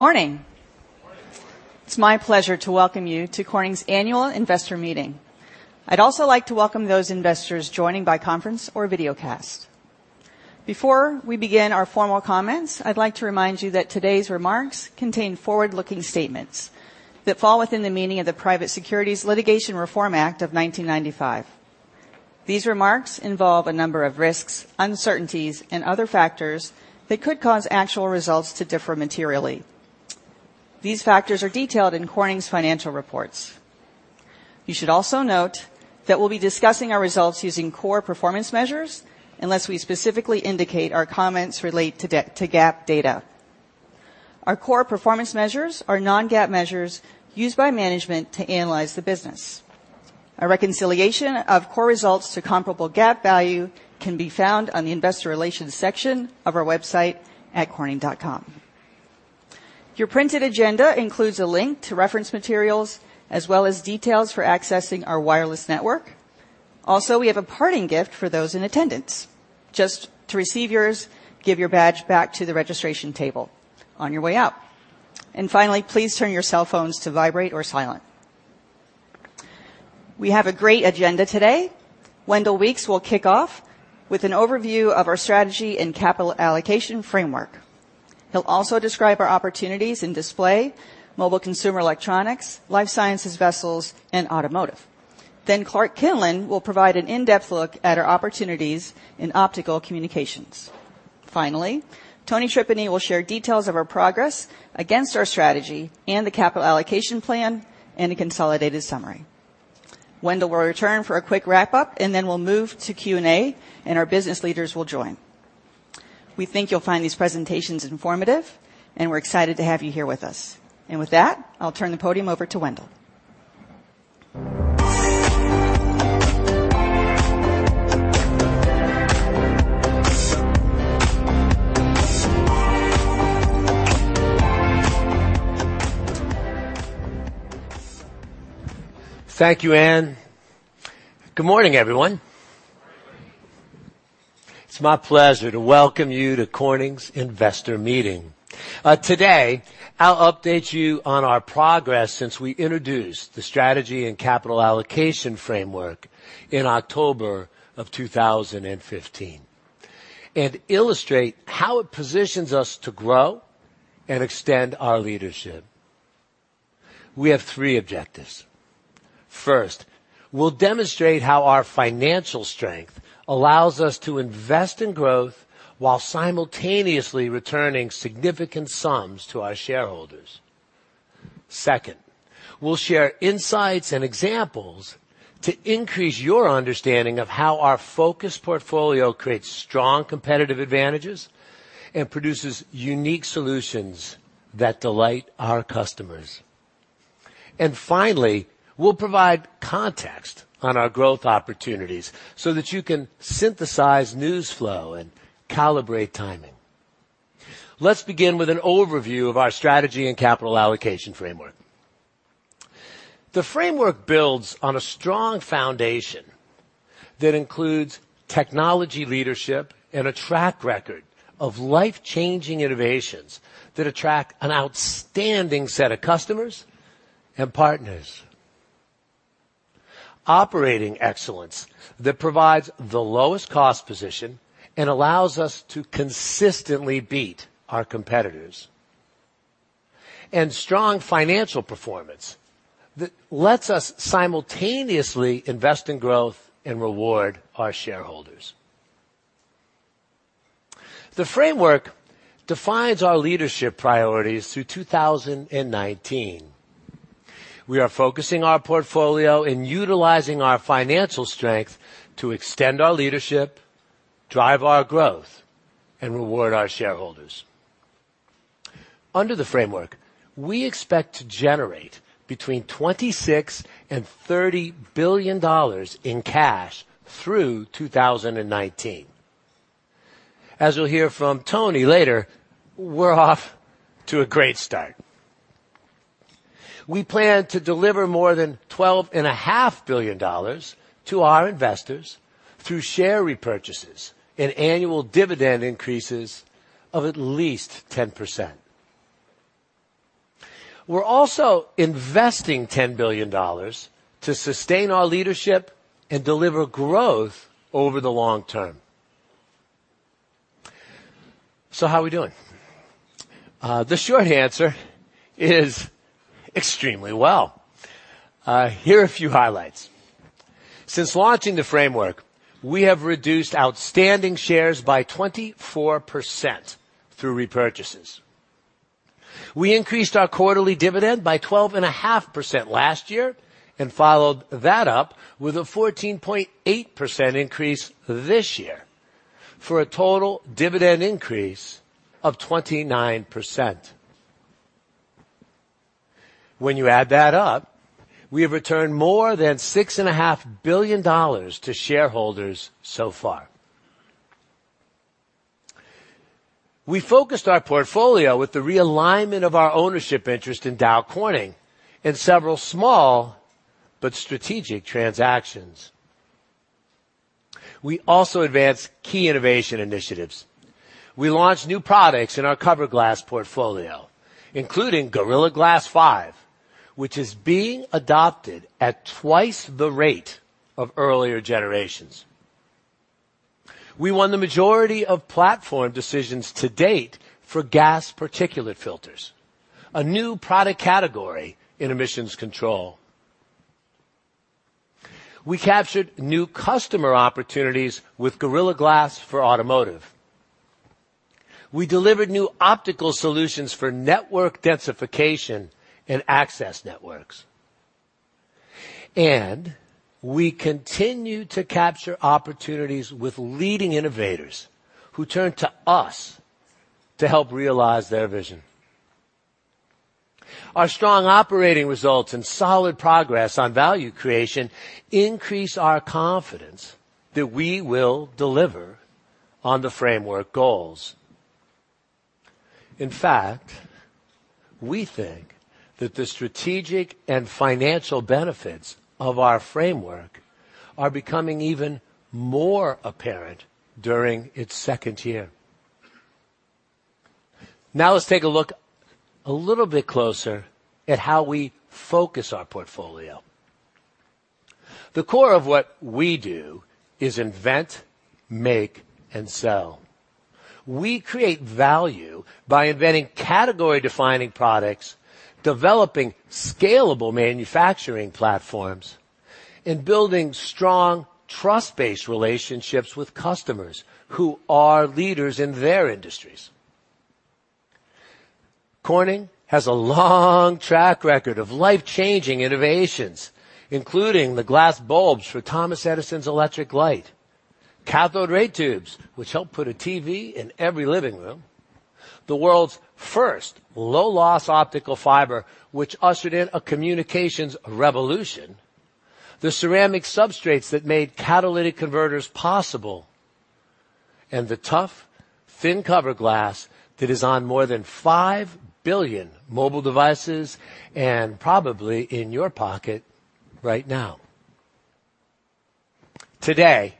Morning. Morning. It's my pleasure to welcome you to Corning's annual investor meeting. I'd also like to welcome those investors joining by conference or videocast. Before we begin our formal comments, I'd like to remind you that today's remarks contain forward-looking statements that fall within the meaning of the Private Securities Litigation Reform Act of 1995. These remarks involve a number of risks, uncertainties, and other factors that could cause actual results to differ materially. These factors are detailed in Corning's financial reports. You should also note that we'll be discussing our results using core performance measures, unless we specifically indicate our comments relate to GAAP data. Our core performance measures are non-GAAP measures used by management to analyze the business. A reconciliation of core results to comparable GAAP value can be found on the investor relations section of our website at corning.com. Your printed agenda includes a link to reference materials, as well as details for accessing our wireless network. We have a parting gift for those in attendance. Just to receive yours, give your badge back to the registration table on your way out. Please turn your cell phones to vibrate or silent. We have a great agenda today. Wendell Weeks will kick off with an overview of our strategy and capital allocation framework. He'll also describe our opportunities in display, mobile consumer electronics, life sciences vessels, and automotive. Clark Kinlin will provide an in-depth look at our opportunities in optical communications. Tony Tripeny will share details of our progress against our strategy and the capital allocation plan in a consolidated summary. Wendell will return for a quick wrap-up, and then we'll move to Q&A, and our business leaders will join. We think you'll find these presentations informative, and we're excited to have you here with us. With that, I'll turn the podium over to Wendell. Thank you, Ann. Good morning, everyone. Good morning. It's my pleasure to welcome you to Corning's investor meeting. Today, I'll update you on our progress since we introduced the strategy and capital allocation framework in October of 2015 and illustrate how it positions us to grow and extend our leadership. We have three objectives. First, we'll demonstrate how our financial strength allows us to invest in growth while simultaneously returning significant sums to our shareholders. Second, we'll share insights and examples to increase your understanding of how our focused portfolio creates strong competitive advantages and produces unique solutions that delight our customers. Finally, we'll provide context on our growth opportunities so that you can synthesize news flow and calibrate timing. Let's begin with an overview of our strategy and capital allocation framework. The framework builds on a strong foundation that includes technology leadership and a track record of life-changing innovations that attract an outstanding set of customers and partners. Operating excellence that provides the lowest cost position and allows us to consistently beat our competitors, and strong financial performance that lets us simultaneously invest in growth and reward our shareholders. The framework defines our leadership priorities through 2019. We are focusing our portfolio and utilizing our financial strength to extend our leadership, drive our growth, and reward our shareholders. Under the framework, we expect to generate between $26 billion and $30 billion in cash through 2019. As you'll hear from Tony later, we're off to a great start. We plan to deliver more than $12.5 billion to our investors through share repurchases and annual dividend increases of at least 10%. We're also investing $10 billion to sustain our leadership and deliver growth over the long term. How are we doing? The short answer is extremely well. Here are a few highlights. Since launching the framework, we have reduced outstanding shares by 24% through repurchases. We increased our quarterly dividend by 12.5% last year and followed that up with a 14.8% increase this year, for a total dividend increase of 29%. When you add that up, we have returned more than $6.5 billion to shareholders so far. We focused our portfolio with the realignment of our ownership interest in Dow Corning and several small but strategic transactions. We also advanced key innovation initiatives. We launched new products in our cover glass portfolio, including Gorilla Glass 5, which is being adopted at twice the rate of earlier generations. We won the majority of platform decisions to date for gas particulate filters, a new product category in emissions control. We captured new customer opportunities with Gorilla Glass for automotive. We delivered new optical solutions for network densification and access networks. We continued to capture opportunities with leading innovators who turn to us to help realize their vision. Our strong operating results and solid progress on value creation increase our confidence that we will deliver on the framework goals. In fact, we think that the strategic and financial benefits of our framework are becoming even more apparent during its second year. Let's take a look a little bit closer at how we focus our portfolio. The core of what we do is invent, make, and sell. We create value by inventing category-defining products, developing scalable manufacturing platforms, and building strong trust-based relationships with customers who are leaders in their industries. Corning has a long track record of life-changing innovations, including the glass bulbs for Thomas Edison's electric light, cathode ray tubes, which helped put a TV in every living room, the world's first low-loss optical fiber, which ushered in a communications revolution, the ceramic substrates that made catalytic converters possible, and the tough, thin cover glass that is on more than five billion mobile devices and probably in your pocket right now. Today,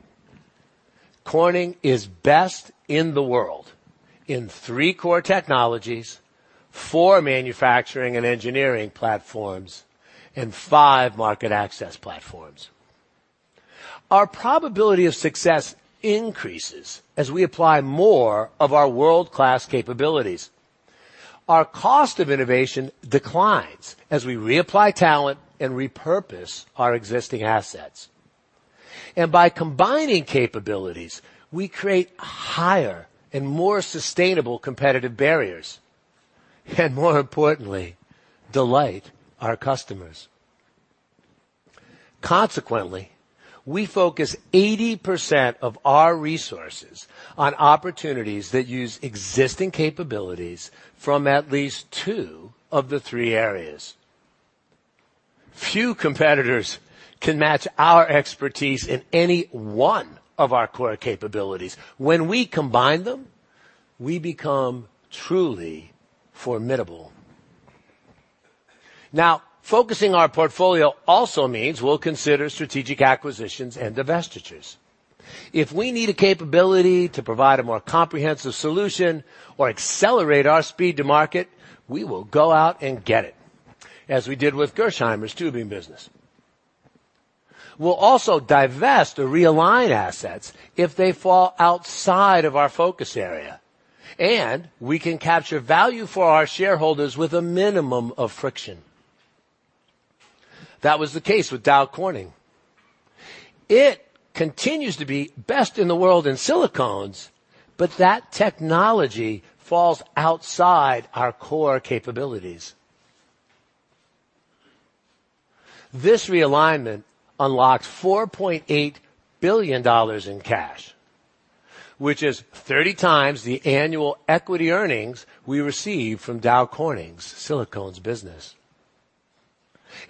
Corning is best in the world in three core technologies, four manufacturing and engineering platforms, and five market access platforms. Our probability of success increases as we apply more of our world-class capabilities. Our cost of innovation declines as we reapply talent and repurpose our existing assets. By combining capabilities, we create higher and more sustainable competitive barriers, and more importantly, delight our customers. Consequently, we focus 80% of our resources on opportunities that use existing capabilities from at least two of the three areas. Few competitors can match our expertise in any one of our core capabilities. When we combine them, we become truly formidable. Focusing our portfolio also means we will consider strategic acquisitions and divestitures. If we need a capability to provide a more comprehensive solution or accelerate our speed to market, we will go out and get it, as we did with Gerresheimer's tubing business. We will also divest or realign assets if they fall outside of our focus area, and we can capture value for our shareholders with a minimum of friction. That was the case with Dow Corning. It continues to be best in the world in silicones, that technology falls outside our core capabilities. This realignment unlocks $4.8 billion in cash, which is 30 times the annual equity earnings we receive from Dow Corning's silicones business.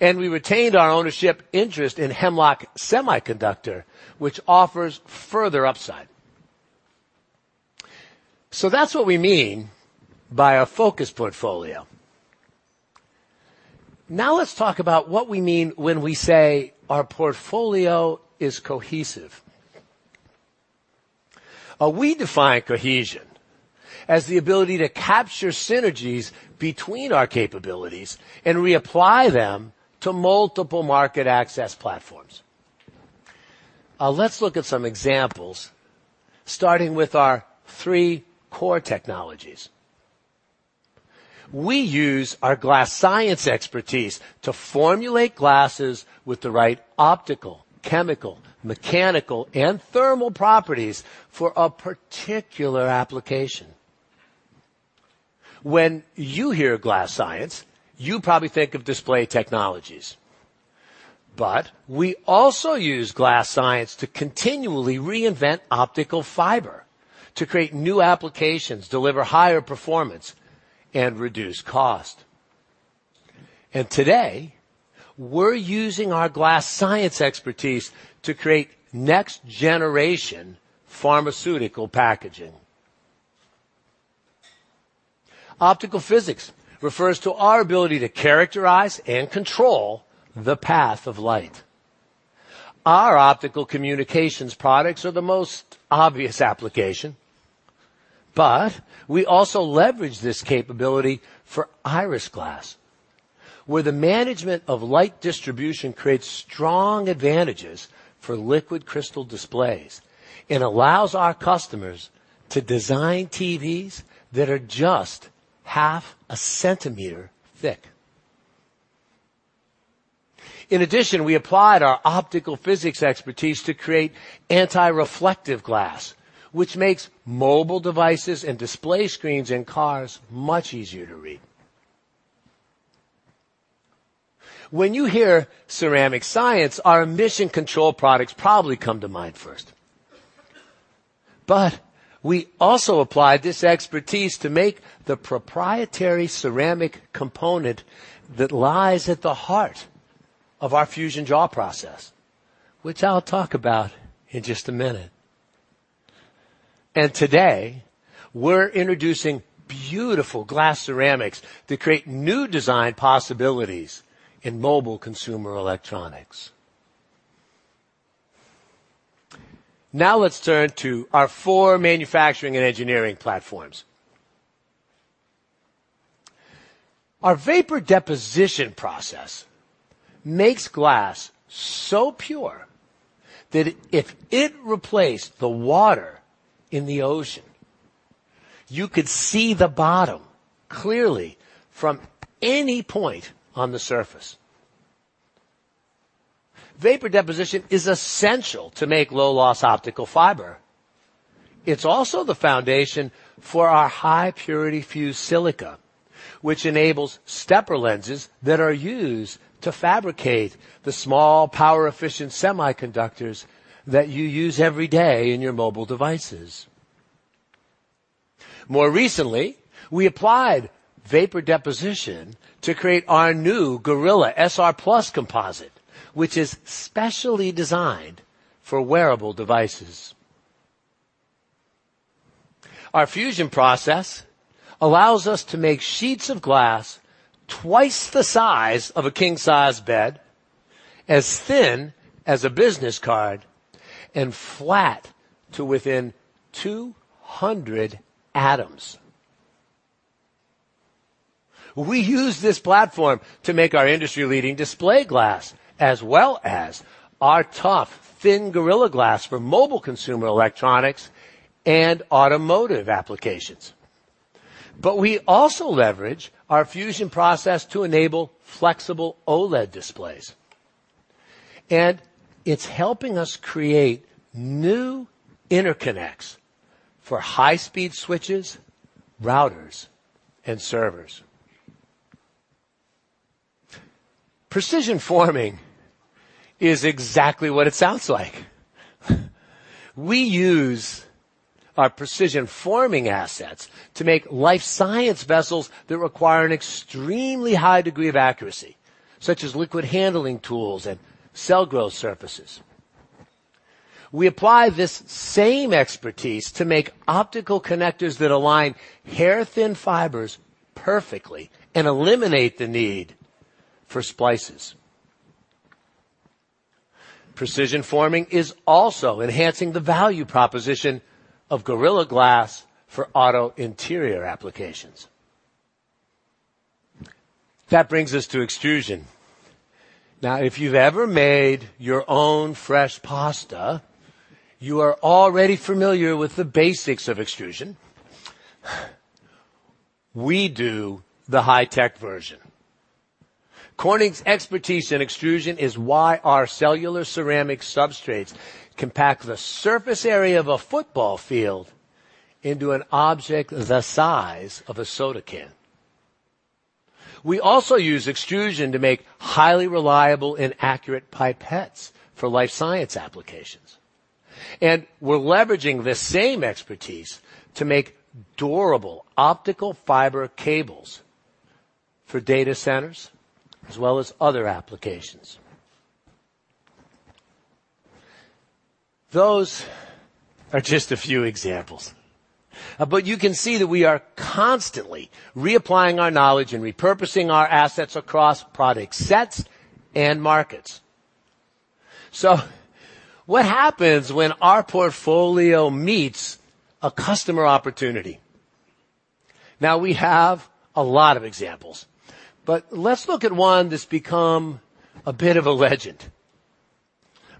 We retained our ownership interest in Hemlock Semiconductor, which offers further upside. That's what we mean by a focused portfolio. Let's talk about what we mean when we say our portfolio is cohesive. We define cohesion as the ability to capture synergies between our capabilities and reapply them to multiple market access platforms. Let's look at some examples, starting with our three core technologies. We use our glass science expertise to formulate glasses with the right optical, chemical, mechanical, and thermal properties for a particular application. When you hear glass science, you probably think of display technologies. We also use glass science to continually reinvent optical fiber to create new applications, deliver higher performance, and reduce cost. Today, we are using our glass science expertise to create next-generation pharmaceutical packaging. Optical physics refers to our ability to characterize and control the path of light. Our optical communications products are the most obvious application, but we also leverage this capability for Iris Glass, where the management of light distribution creates strong advantages for liquid crystal displays and allows our customers to design TVs that are just half a centimeter thick. In addition, we applied our optical physics expertise to create anti-reflective glass, which makes mobile devices and display screens in cars much easier to read. When you hear ceramic science, our emission control products probably come to mind first. We also applied this expertise to make the proprietary ceramic component that lies at the heart of our fusion draw process, which I will talk about in just a minute. Today, we are introducing beautiful glass ceramics to create new design possibilities in mobile consumer electronics. Let's turn to our four manufacturing and engineering platforms. Our vapor deposition process makes glass so pure that if it replaced the water in the ocean, you could see the bottom clearly from any point on the surface. Vapor deposition is essential to make low-loss optical fiber. It is also the foundation for our high-purity fused silica, which enables stepper lenses that are used to fabricate the small power-efficient semiconductors that you use every day in your mobile devices. More recently, we applied vapor deposition to create our new Gorilla SR+ composite, which is specially designed for wearable devices. Our fusion process allows us to make sheets of glass twice the size of a king-size bed, as thin as a business card, and flat to within 200 atoms. We use this platform to make our industry-leading display glass as well as our tough, thin Gorilla Glass for mobile consumer electronics and automotive applications. We also leverage our fusion process to enable flexible OLED displays, and it's helping us create new interconnects for high-speed switches, routers, and servers. Precision forming is exactly what it sounds like. We use our precision forming assets to make life science vessels that require an extremely high degree of accuracy, such as liquid handling tools and cell growth surfaces. We apply this same expertise to make optical connectors that align hair-thin fibers perfectly and eliminate the need for splices. Precision forming is also enhancing the value proposition of Gorilla Glass for auto interior applications. That brings us to extrusion. If you've ever made your own fresh pasta, you are already familiar with the basics of extrusion. We do the high-tech version. Corning's expertise in extrusion is why our cellular ceramic substrates can pack the surface area of a football field into an object the size of a soda can. We also use extrusion to make highly reliable and accurate pipettes for life science applications. We're leveraging the same expertise to make durable optical fiber cables for data centers as well as other applications. Those are just a few examples. You can see that we are constantly reapplying our knowledge and repurposing our assets across product sets and markets. What happens when our portfolio meets a customer opportunity? We have a lot of examples, but let's look at one that's become a bit of a legend.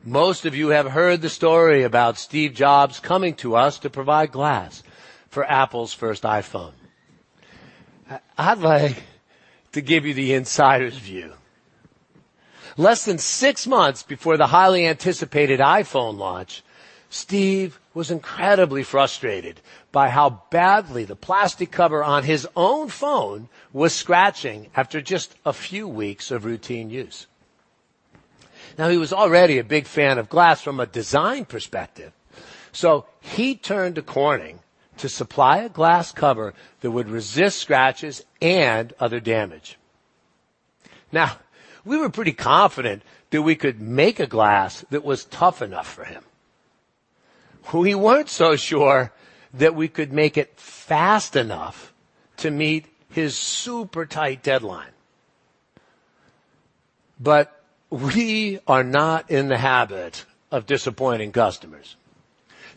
Most of you have heard the story about Steve Jobs coming to us to provide glass for Apple's first iPhone. I'd like to give you the insider's view. Less than six months before the highly anticipated iPhone launch, Steve was incredibly frustrated by how badly the plastic cover on his own phone was scratching after just a few weeks of routine use. He was already a big fan of glass from a design perspective, so he turned to Corning to supply a glass cover that would resist scratches and other damage. We were pretty confident that we could make a glass that was tough enough for him. We weren't so sure that we could make it fast enough to meet his super tight deadline. We are not in the habit of disappointing customers,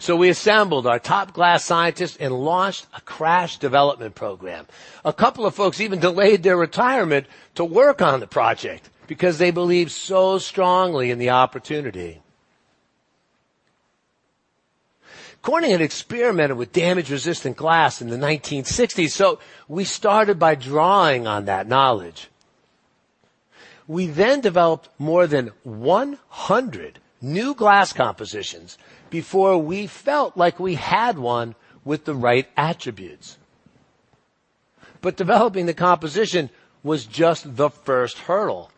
so we assembled our top glass scientists and launched a crash development program. A couple of folks even delayed their retirement to work on the project because they believed so strongly in the opportunity. Corning had experimented with damage-resistant glass in the 1960s, so we started by drawing on that knowledge. We then developed more than 100 new glass compositions before we felt like we had one with the right attributes. Developing the composition was just the first hurdle.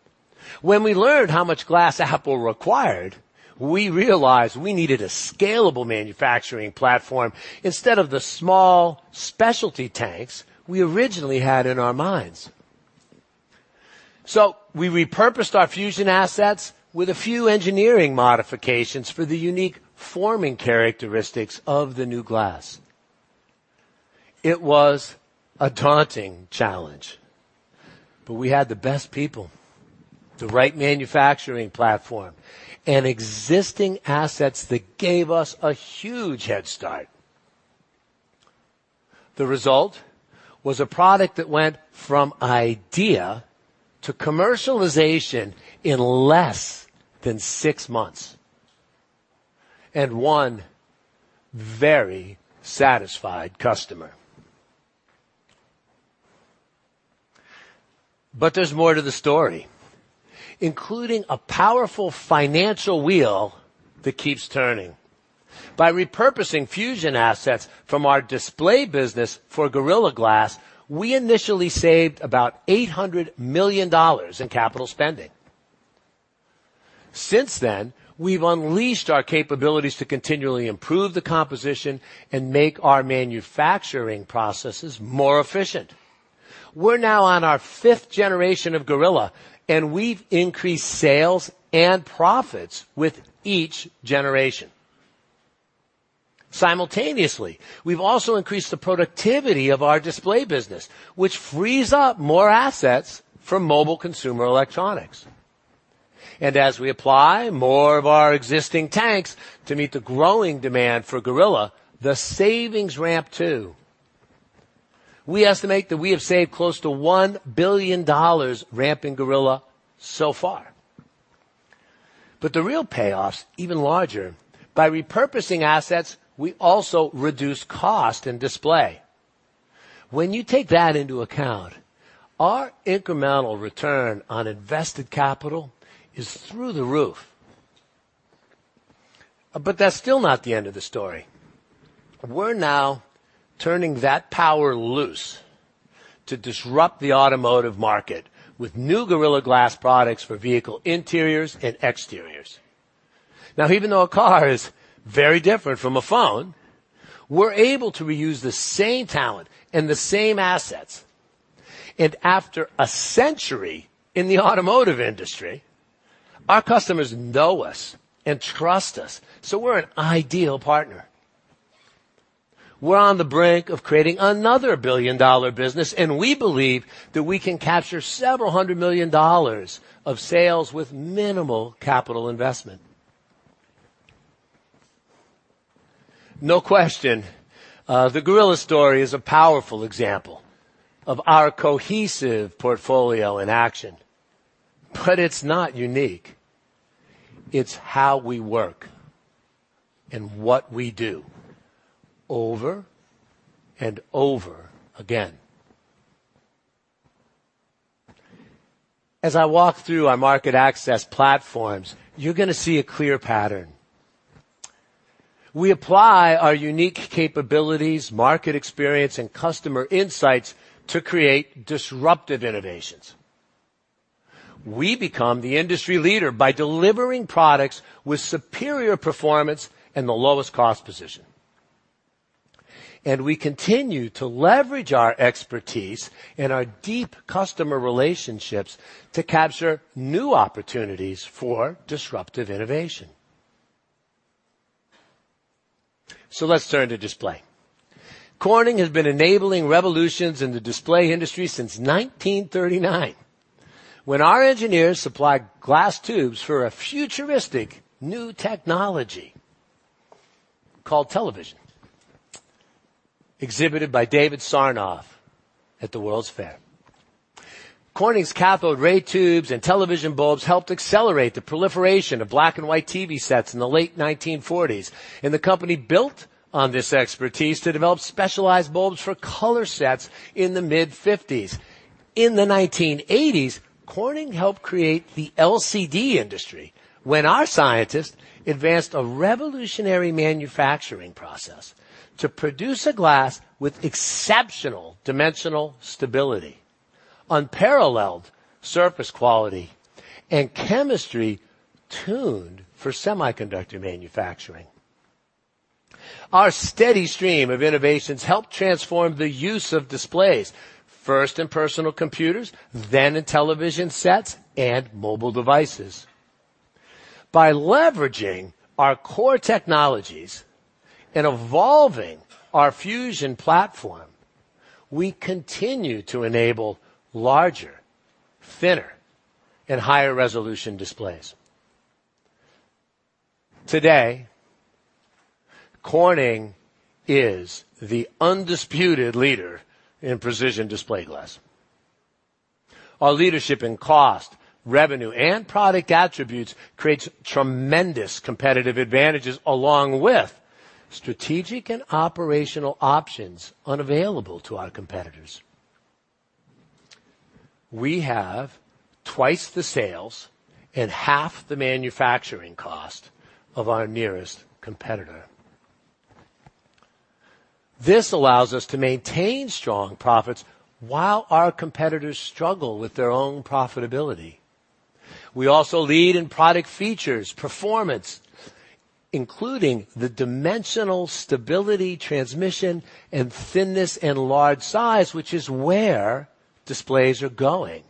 When we learned how much glass Apple required, we realized we needed a scalable manufacturing platform instead of the small specialty tanks we originally had in our minds. So we repurposed our fusion assets with a few engineering modifications for the unique forming characteristics of the new glass. It was a daunting challenge, but we had the best people, the right manufacturing platform, and existing assets that gave us a huge headstart. The result was a product that went from idea to commercialization in less than six months, and one very satisfied customer. There's more to the story, including a powerful financial wheel that keeps turning. By repurposing fusion assets from our display business for Gorilla Glass, we initially saved about $800 million in capital spending. Since then, we've unleashed our capabilities to continually improve the composition and make our manufacturing processes more efficient. We're now on our fifth generation of Gorilla, and we've increased sales and profits with each generation. Simultaneously, we've also increased the productivity of our display business, which frees up more assets for mobile consumer electronics. As we apply more of our existing tanks to meet the growing demand for Gorilla, the savings ramp, too. We estimate that we have saved close to $1 billion ramping Gorilla so far. The real payoff's even larger. By repurposing assets, we also reduce cost in display. When you take that into account, our incremental return on invested capital is through the roof. That's still not the end of the story. We're now turning that power loose to disrupt the automotive market with new Gorilla Glass products for vehicle interiors and exteriors. Even though a car is very different from a phone, we're able to reuse the same talent and the same assets. After a century in the automotive industry, our customers know us and trust us, so we're an ideal partner. We're on the brink of creating another billion-dollar business, and we believe that we can capture several hundred million dollars of sales with minimal capital investment. No question, the Gorilla story is a powerful example of our cohesive portfolio in action, it's not unique. It's how we work and what we do over and over again. As I walk through our market access platforms, you're going to see a clear pattern. We apply our unique capabilities, market experience, and customer insights to create disruptive innovations. We become the industry leader by delivering products with superior performance and the lowest cost position. We continue to leverage our expertise and our deep customer relationships to capture new opportunities for disruptive innovation. Let's turn to display. Corning has been enabling revolutions in the display industry since 1939, when our engineers supplied glass tubes for a futuristic new technology called television, exhibited by David Sarnoff at the World's Fair. Corning's cathode ray tubes and television bulbs helped accelerate the proliferation of black and white TV sets in the late 1940s, the company built on this expertise to develop specialized bulbs for color sets in the mid-1950s. In the 1980s, Corning helped create the LCD industry when our scientists advanced a revolutionary manufacturing process to produce a glass with exceptional dimensional stability, unparalleled surface quality, and chemistry tuned for semiconductor manufacturing. Our steady stream of innovations helped transform the use of displays, first in personal computers, then in television sets and mobile devices. By leveraging our core technologies and evolving our fusion platform, we continue to enable larger, thinner, and higher-resolution displays. Today, Corning is the undisputed leader in precision display glass. Our leadership in cost, revenue, and product attributes creates tremendous competitive advantages, along with strategic and operational options unavailable to our competitors. We have twice the sales and half the manufacturing cost of our nearest competitor. This allows us to maintain strong profits while our competitors struggle with their own profitability. We also lead in product features, performance, including the dimensional stability, transmission, and thinness in large size, which is where displays are going.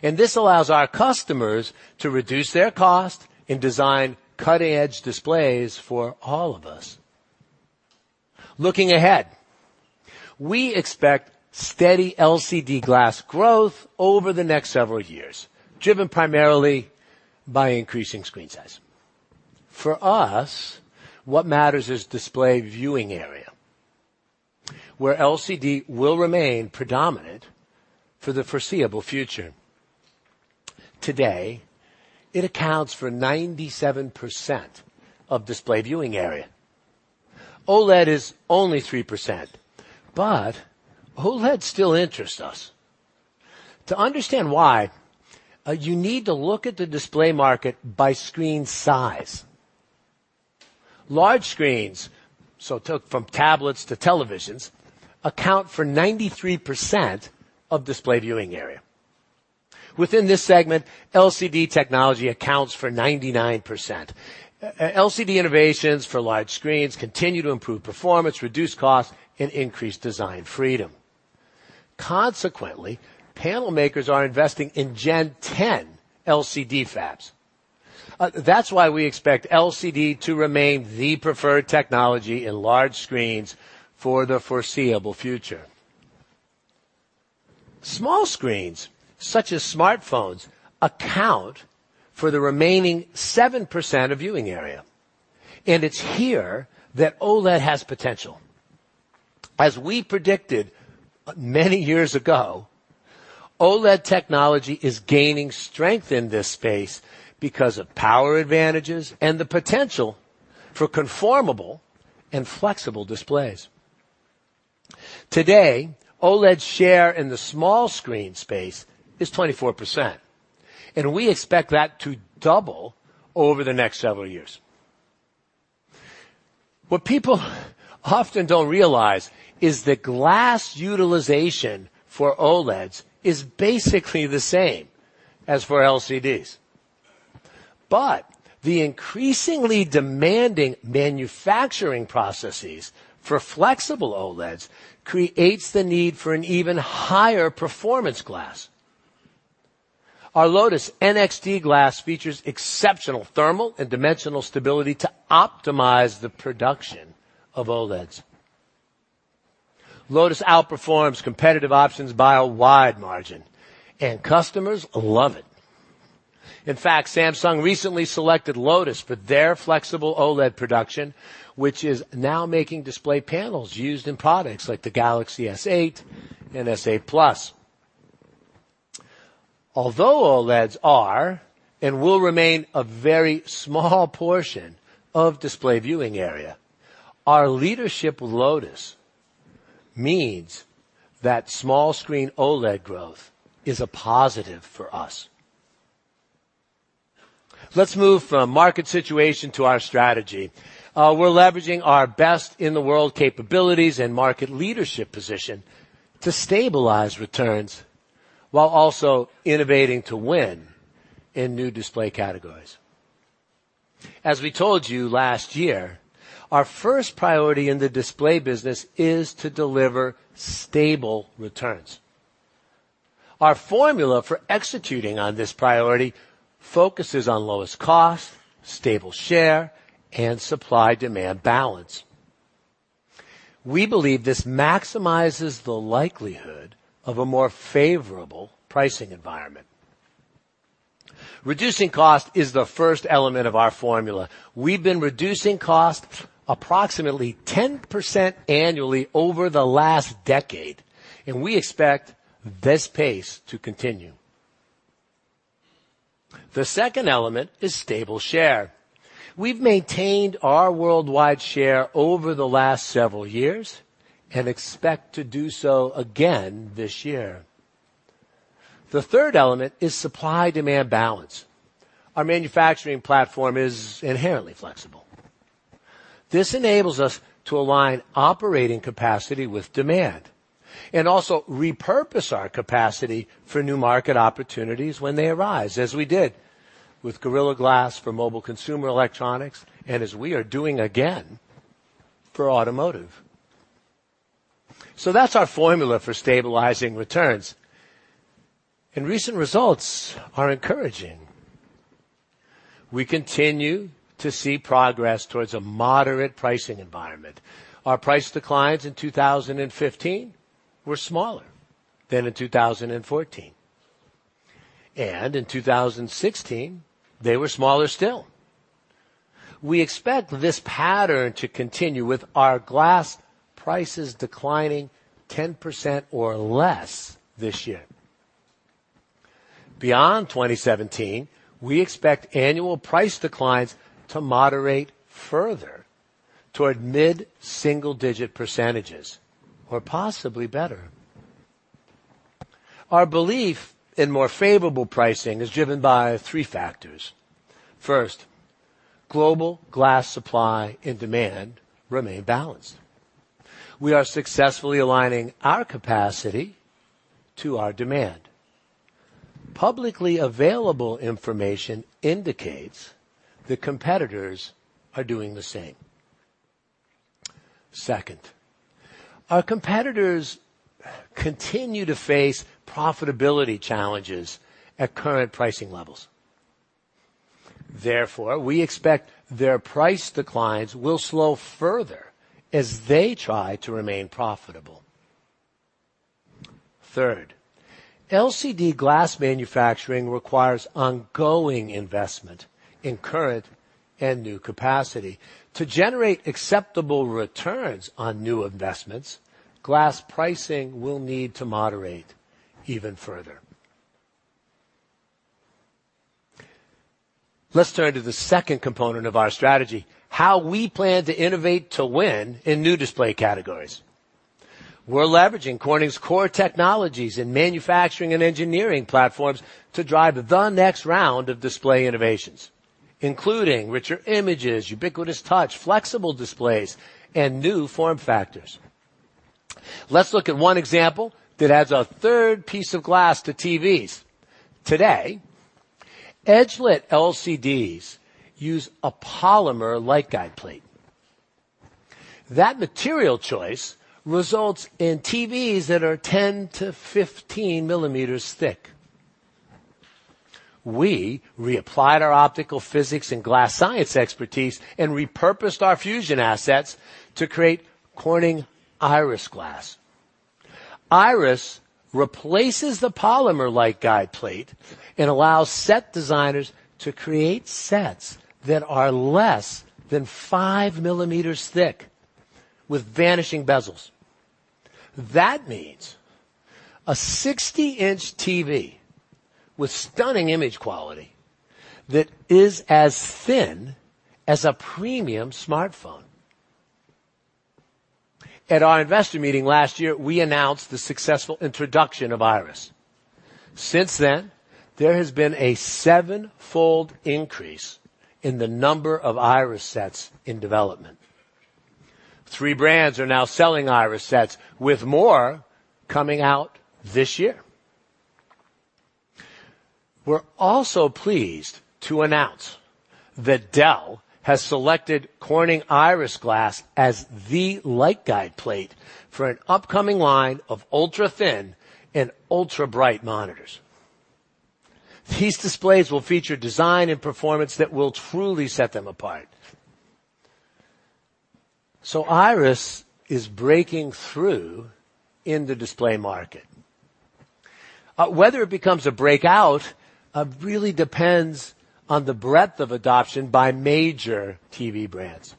This allows our customers to reduce their cost and design cutting-edge displays for all of us. Looking ahead, we expect steady LCD glass growth over the next several years, driven primarily by increasing screen size. For us, what matters is display viewing area, where LCD will remain predominant for the foreseeable future. Today, it accounts for 97% of display viewing area. OLED is only 3%, but OLED still interests us. To understand why, you need to look at the display market by screen size. Large screens, so from tablets to televisions, account for 93% of display viewing area. Within this segment, LCD technology accounts for 99%. LCD innovations for large screens continue to improve performance, reduce cost, and increase design freedom. Consequently, panel makers are investing in Gen 10 LCD fabs. That's why we expect LCD to remain the preferred technology in large screens for the foreseeable future. Small screens, such as smartphones, account for the remaining 7% of viewing area, and it's here that OLED has potential. As we predicted many years ago, OLED technology is gaining strength in this space because of power advantages and the potential for conformable and flexible displays. Today, OLED's share in the small screen space is 24%, and we expect that to double over the next several years. What people often don't realize is that glass utilization for OLEDs is basically the same as for LCDs. The increasingly demanding manufacturing processes for flexible OLEDs creates the need for an even higher performance glass. Our Lotus NXT Glass features exceptional thermal and dimensional stability to optimize the production of OLEDs. Lotus outperforms competitive options by a wide margin, and customers love it. In fact, Samsung recently selected Lotus for their flexible OLED production, which is now making display panels used in products like the Galaxy S8 and S8+. Although OLEDs are and will remain a very small portion of display viewing area, our leadership with Lotus means that small screen OLED growth is a positive for us. Let's move from market situation to our strategy. We're leveraging our best-in-the-world capabilities and market leadership position to stabilize returns while also innovating to win in new display categories. As we told you last year, our first priority in the display business is to deliver stable returns. Our formula for executing on this priority focuses on lowest cost, stable share, and supply/demand balance. We believe this maximizes the likelihood of a more favorable pricing environment. Reducing cost is the first element of our formula. We've been reducing cost approximately 10% annually over the last decade, and we expect this pace to continue. The second element is stable share. We've maintained our worldwide share over the last several years and expect to do so again this year. The third element is supply/demand balance. Our manufacturing platform is inherently flexible. This enables us to align operating capacity with demand. Also repurpose our capacity for new market opportunities when they arise, as we did with Gorilla Glass for mobile consumer electronics, and as we are doing again for automotive. That's our formula for stabilizing returns. Recent results are encouraging. We continue to see progress towards a moderate pricing environment. Our price declines in 2015 were smaller than in 2014. In 2016, they were smaller still. We expect this pattern to continue with our glass prices declining 10% or less this year. Beyond 2017, we expect annual price declines to moderate further toward mid-single digit percentages or possibly better. Our belief in more favorable pricing is driven by three factors. First, global glass supply and demand remain balanced. We are successfully aligning our capacity to our demand. Publicly available information indicates that competitors are doing the same. Second, our competitors continue to face profitability challenges at current pricing levels. Therefore, we expect their price declines will slow further as they try to remain profitable. Third, LCD glass manufacturing requires ongoing investment in current and new capacity. To generate acceptable returns on new investments, glass pricing will need to moderate even further. Let's turn to the second component of our strategy, how we plan to innovate to win in new display categories. We're leveraging Corning's core technologies and manufacturing and engineering platforms to drive the next round of display innovations, including richer images, ubiquitous touch, flexible displays, and new form factors. Let's look at one example that adds a third piece of glass to TVs. Today, edge-lit LCDs use a polymer light guide plate. That material choice results in TVs that are 10 to 15 millimeters thick. We reapplied our optical physics and glass science expertise and repurposed our fusion assets to create Corning Iris Glass. Iris replaces the polymer light guide plate and allows set designers to create sets that are less than five millimeters thick with vanishing bezels. That means a 60-inch TV with stunning image quality that is as thin as a premium smartphone. At our investor meeting last year, we announced the successful introduction of Iris. Since then, there has been a sevenfold increase in the number of Iris sets in development. Three brands are now selling Iris sets, with more coming out this year. We're also pleased to announce that Dell has selected Corning Iris Glass as the light guide plate for an upcoming line of ultra-thin and ultra-bright monitors. These displays will feature design and performance that will truly set them apart. Iris is breaking through in the display market. Whether it becomes a breakout really depends on the breadth of adoption by major TV brands.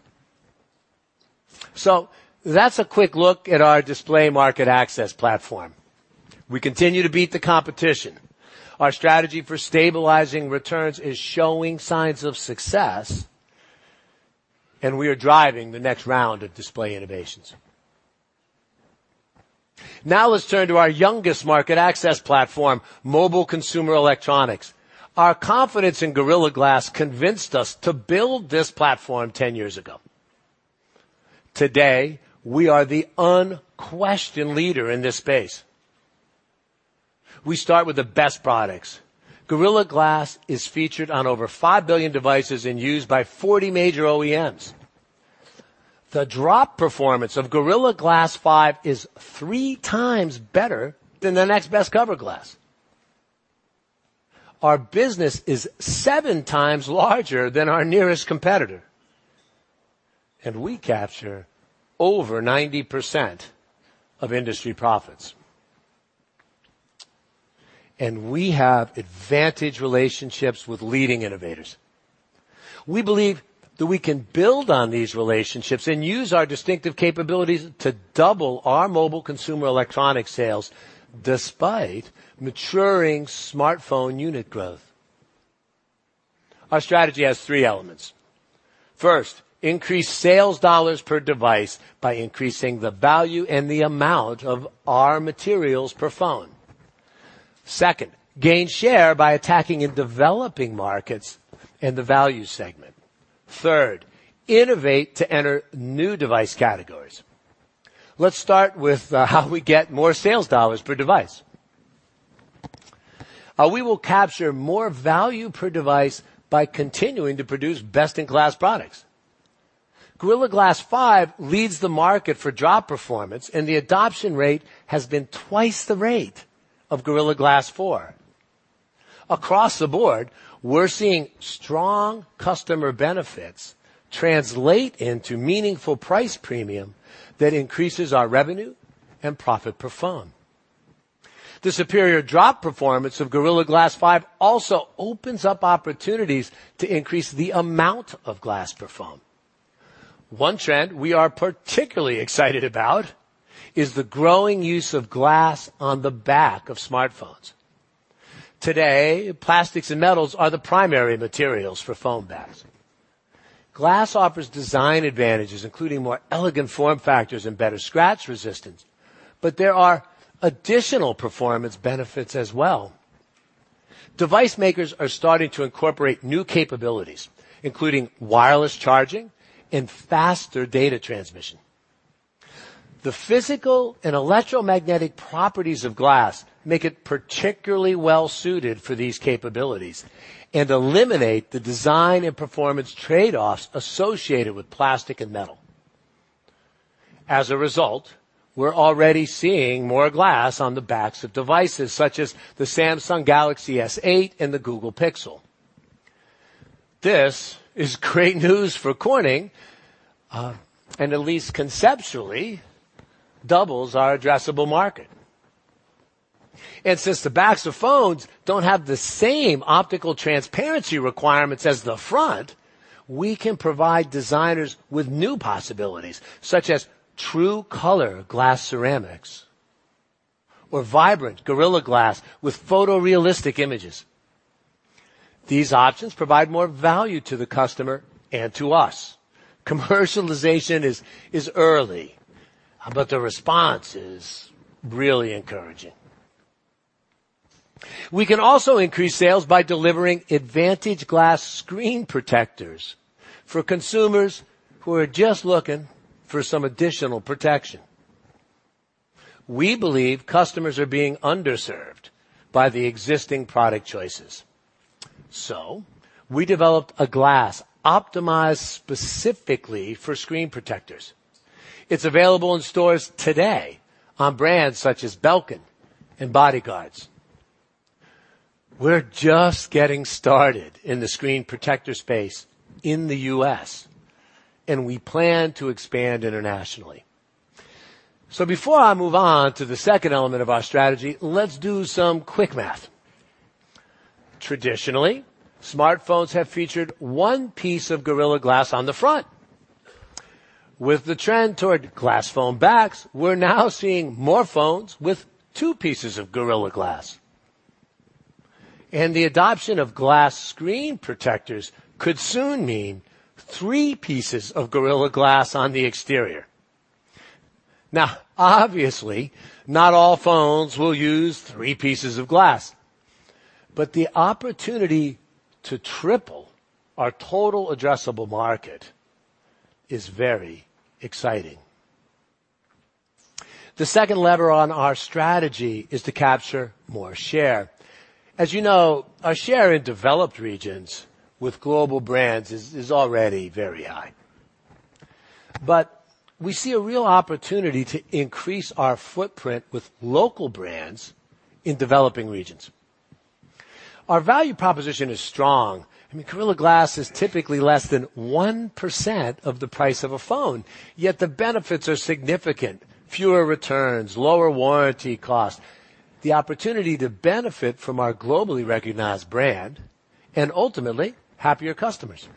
That's a quick look at our display market access platform. We continue to beat the competition. Our strategy for stabilizing returns is showing signs of success, and we are driving the next round of display innovations. Now let's turn to our youngest market access platform, mobile consumer electronics. Our confidence in Gorilla Glass convinced us to build this platform 10 years ago. Today, we are the unquestioned leader in this space. We start with the best products. Gorilla Glass is featured on over five billion devices and used by 40 major OEMs. The drop performance of Gorilla Glass 5 is three times better than the next best cover glass. Our business is seven times larger than our nearest competitor, and we capture over 90% of industry profits. We have advantage relationships with leading innovators. We believe that we can build on these relationships and use our distinctive capabilities to double our mobile consumer electronic sales despite maturing smartphone unit growth. Our strategy has three elements. First, increase sales dollars per device by increasing the value and the amount of our materials per phone. Second, gain share by attacking in developing markets in the value segment. Third, innovate to enter new device categories. Let's start with how we get more sales dollars per device. We will capture more value per device by continuing to produce best-in-class products. Gorilla Glass 5 leads the market for drop performance, and the adoption rate has been twice the rate of Gorilla Glass 4. Across the board, we're seeing strong customer benefits translate into meaningful price premium that increases our revenue and profit per phone. The superior drop performance of Gorilla Glass 5 also opens up opportunities to increase the amount of glass per phone. One trend we are particularly excited about is the growing use of glass on the back of smartphones. Today, plastics and metals are the primary materials for phone backs. Glass offers design advantages, including more elegant form factors and better scratch resistance, but there are additional performance benefits as well. Device makers are starting to incorporate new capabilities, including wireless charging and faster data transmission. The physical and electromagnetic properties of glass make it particularly well-suited for these capabilities and eliminate the design and performance trade-offs associated with plastic and metal. As a result, we're already seeing more glass on the backs of devices, such as the Samsung Galaxy S8 and the Google Pixel. This is great news for Corning and at least conceptually doubles our addressable market. Since the backs of phones don't have the same optical transparency requirements as the front, we can provide designers with new possibilities, such as true color glass ceramics or vibrant Gorilla Glass with photorealistic images. These options provide more value to the customer and to us. Commercialization is early, but the response is really encouraging. We can also increase sales by delivering advantage glass screen protectors for consumers who are just looking for some additional protection. We believe customers are being underserved by the existing product choices. We developed a glass optimized specifically for screen protectors. It's available in stores today on brands such as Belkin and BodyGuardz. We're just getting started in the screen protector space in the U.S., and we plan to expand internationally. Before I move on to the second element of our strategy, let's do some quick math. Traditionally, smartphones have featured one piece of Gorilla Glass on the front. With the trend toward glass phone backs, we're now seeing more phones with two pieces of Gorilla Glass. The adoption of glass screen protectors could soon mean three pieces of Gorilla Glass on the exterior. Now, obviously, not all phones will use three pieces of glass, but the opportunity to triple our total addressable market is very exciting. The second lever on our strategy is to capture more share. As you know, our share in developed regions with global brands is already very high. We see a real opportunity to increase our footprint with local brands in developing regions. Our value proposition is strong. I mean, Gorilla Glass is typically less than 1% of the price of a phone, yet the benefits are significant: fewer returns, lower warranty costs, the opportunity to benefit from our globally recognized brand, and ultimately, happier customers.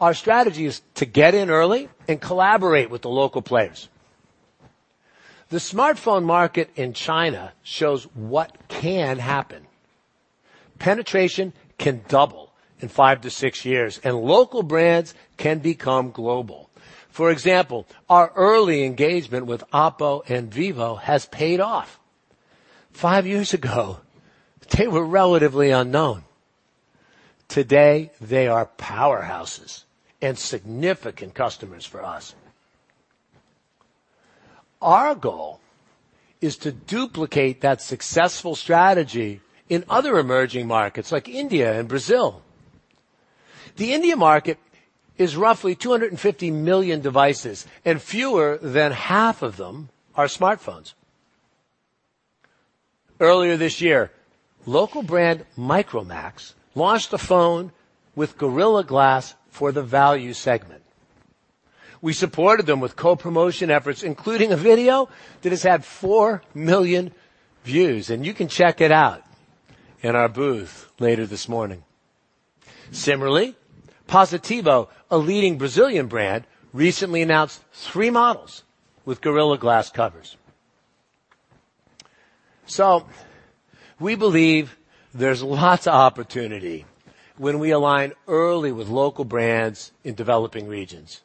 Our strategy is to get in early and collaborate with the local players. The smartphone market in China shows what can happen. Penetration can double in 5 to 6 years, and local brands can become global. For example, our early engagement with Oppo and Vivo has paid off. Five years ago, they were relatively unknown. Today, they are powerhouses and significant customers for us. Our goal is to duplicate that successful strategy in other emerging markets like India and Brazil. The India market is roughly 250 million devices, and fewer than half of them are smartphones. Earlier this year, local brand Micromax launched a phone with Gorilla Glass for the value segment. We supported them with co-promotion efforts, including a video that has had 4 million views. You can check it out in our booth later this morning. Similarly, Positivo, a leading Brazilian brand, recently announced three models with Gorilla Glass covers. We believe there's lots of opportunity when we align early with local brands in developing regions.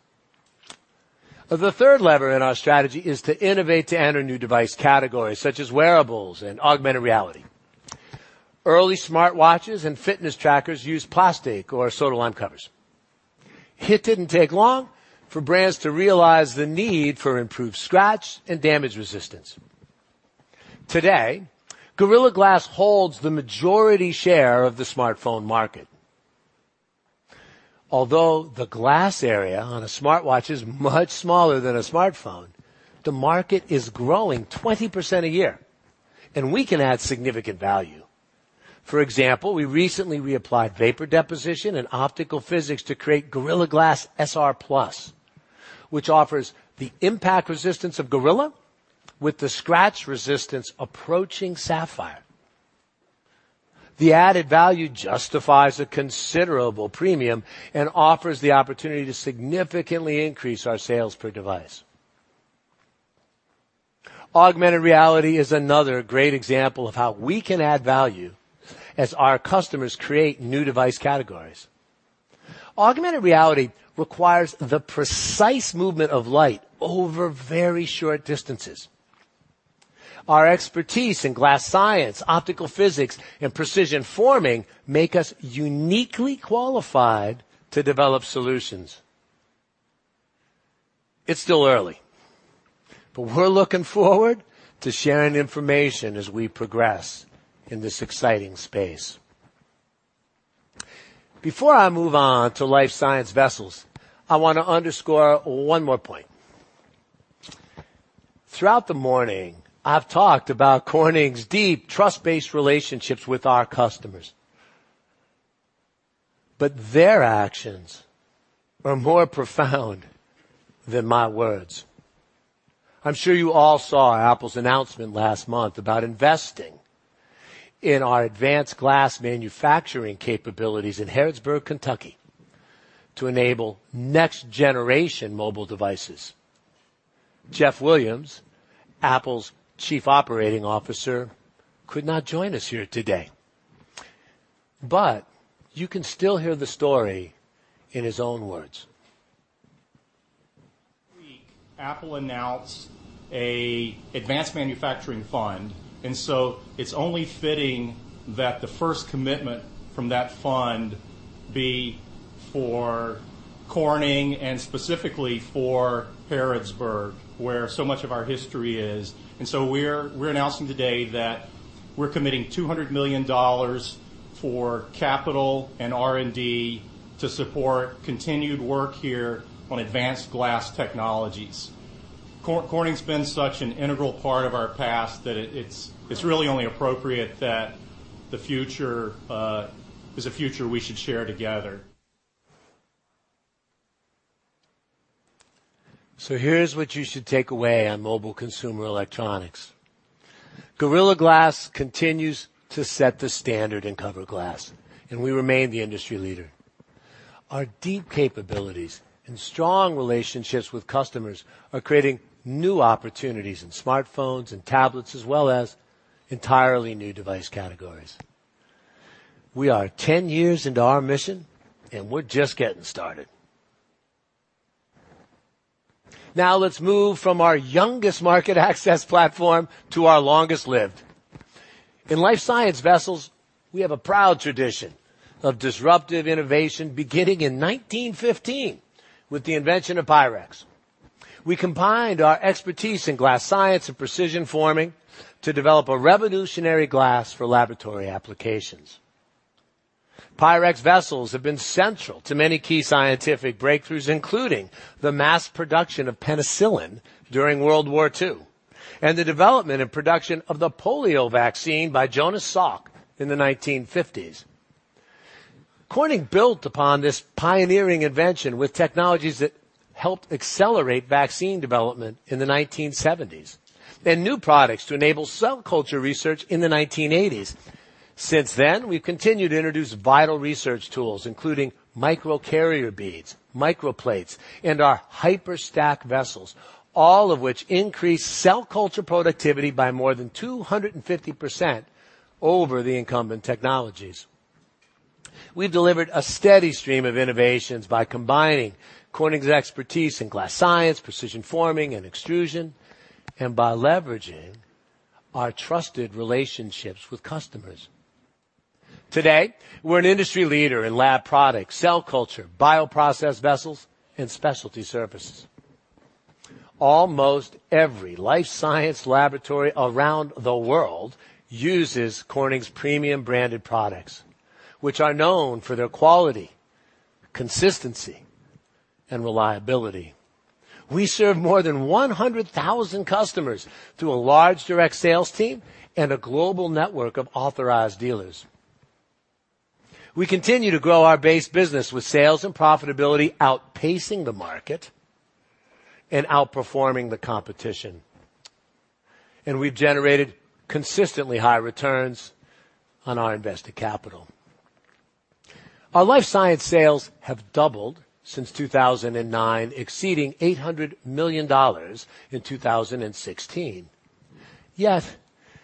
The third lever in our strategy is to innovate to enter new device categories such as wearables and augmented reality. Early smartwatches and fitness trackers used plastic or soda lime covers. It didn't take long for brands to realize the need for improved scratch and damage resistance. Today, Gorilla Glass holds the majority share of the smartphone market. Although the glass area on a smartwatch is much smaller than a smartphone, the market is growing 20% a year. We can add significant value. For example, we recently reapplied vapor deposition and optical physics to create Gorilla Glass SR+, which offers the impact resistance of Gorilla with the scratch resistance approaching sapphire. The added value justifies a considerable premium. Offers the opportunity to significantly increase our sales per device. Augmented reality is another great example of how we can add value as our customers create new device categories. Augmented reality requires the precise movement of light over very short distances. Our expertise in glass science, optical physics, and precision forming make us uniquely qualified to develop solutions. It's still early. We're looking forward to sharing information as we progress in this exciting space. Before I move on to life science vessels, I want to underscore one more point. Throughout the morning, I've talked about Corning's deep trust-based relationships with our customers. Their actions are more profound than my words. I'm sure you all saw Apple's announcement last month about investing in our advanced glass manufacturing capabilities in Harrodsburg, Kentucky, to enable next-generation mobile devices. Jeff Williams, Apple's Chief Operating Officer, could not join us here today. You can still hear the story in his own words. Apple announced an advanced manufacturing fund. It's only fitting that the first commitment from that fund be for Corning and specifically for Harrodsburg, where so much of our history is. We're announcing today that we're committing $200 million for capital and R&D to support continued work here on advanced glass technologies. Corning's been such an integral part of our past that it's really only appropriate that the future is a future we should share together. Here's what you should take away on mobile consumer electronics. Gorilla Glass continues to set the standard in cover glass, and we remain the industry leader. Our deep capabilities and strong relationships with customers are creating new opportunities in smartphones and tablets as well as entirely new device categories. We are 10 years into our mission, and we're just getting started. Let's move from our youngest market access platform to our longest-lived. In life science vessels, we have a proud tradition of disruptive innovation beginning in 1915 with the invention of Pyrex. We combined our expertise in glass science and precision forming to develop a revolutionary glass for laboratory applications. Pyrex vessels have been central to many key scientific breakthroughs, including the mass production of penicillin during World War II and the development and production of the polio vaccine by Jonas Salk in the 1950s. Corning built upon this pioneering invention with technologies that helped accelerate vaccine development in the 1970s. New products to enable cell culture research in the 1980s. Since then, we've continued to introduce vital research tools, including microcarrier beads, microplates, and our HYPERStack vessels, all of which increase cell culture productivity by more than 250% over the incumbent technologies. We've delivered a steady stream of innovations by combining Corning's expertise in glass science, precision forming, and extrusion, and by leveraging our trusted relationships with customers. Today, we're an industry leader in lab products, cell culture, bioprocess vessels, and specialty services. Almost every life science laboratory around the world uses Corning's premium branded products, which are known for their quality, consistency, and reliability. We serve more than 100,000 customers through a large direct sales team and a global network of authorized dealers. We continue to grow our base business with sales and profitability outpacing the market and outperforming the competition. We've generated consistently high returns on our invested capital. Our life science sales have doubled since 2009, exceeding $800 million in 2016. Yet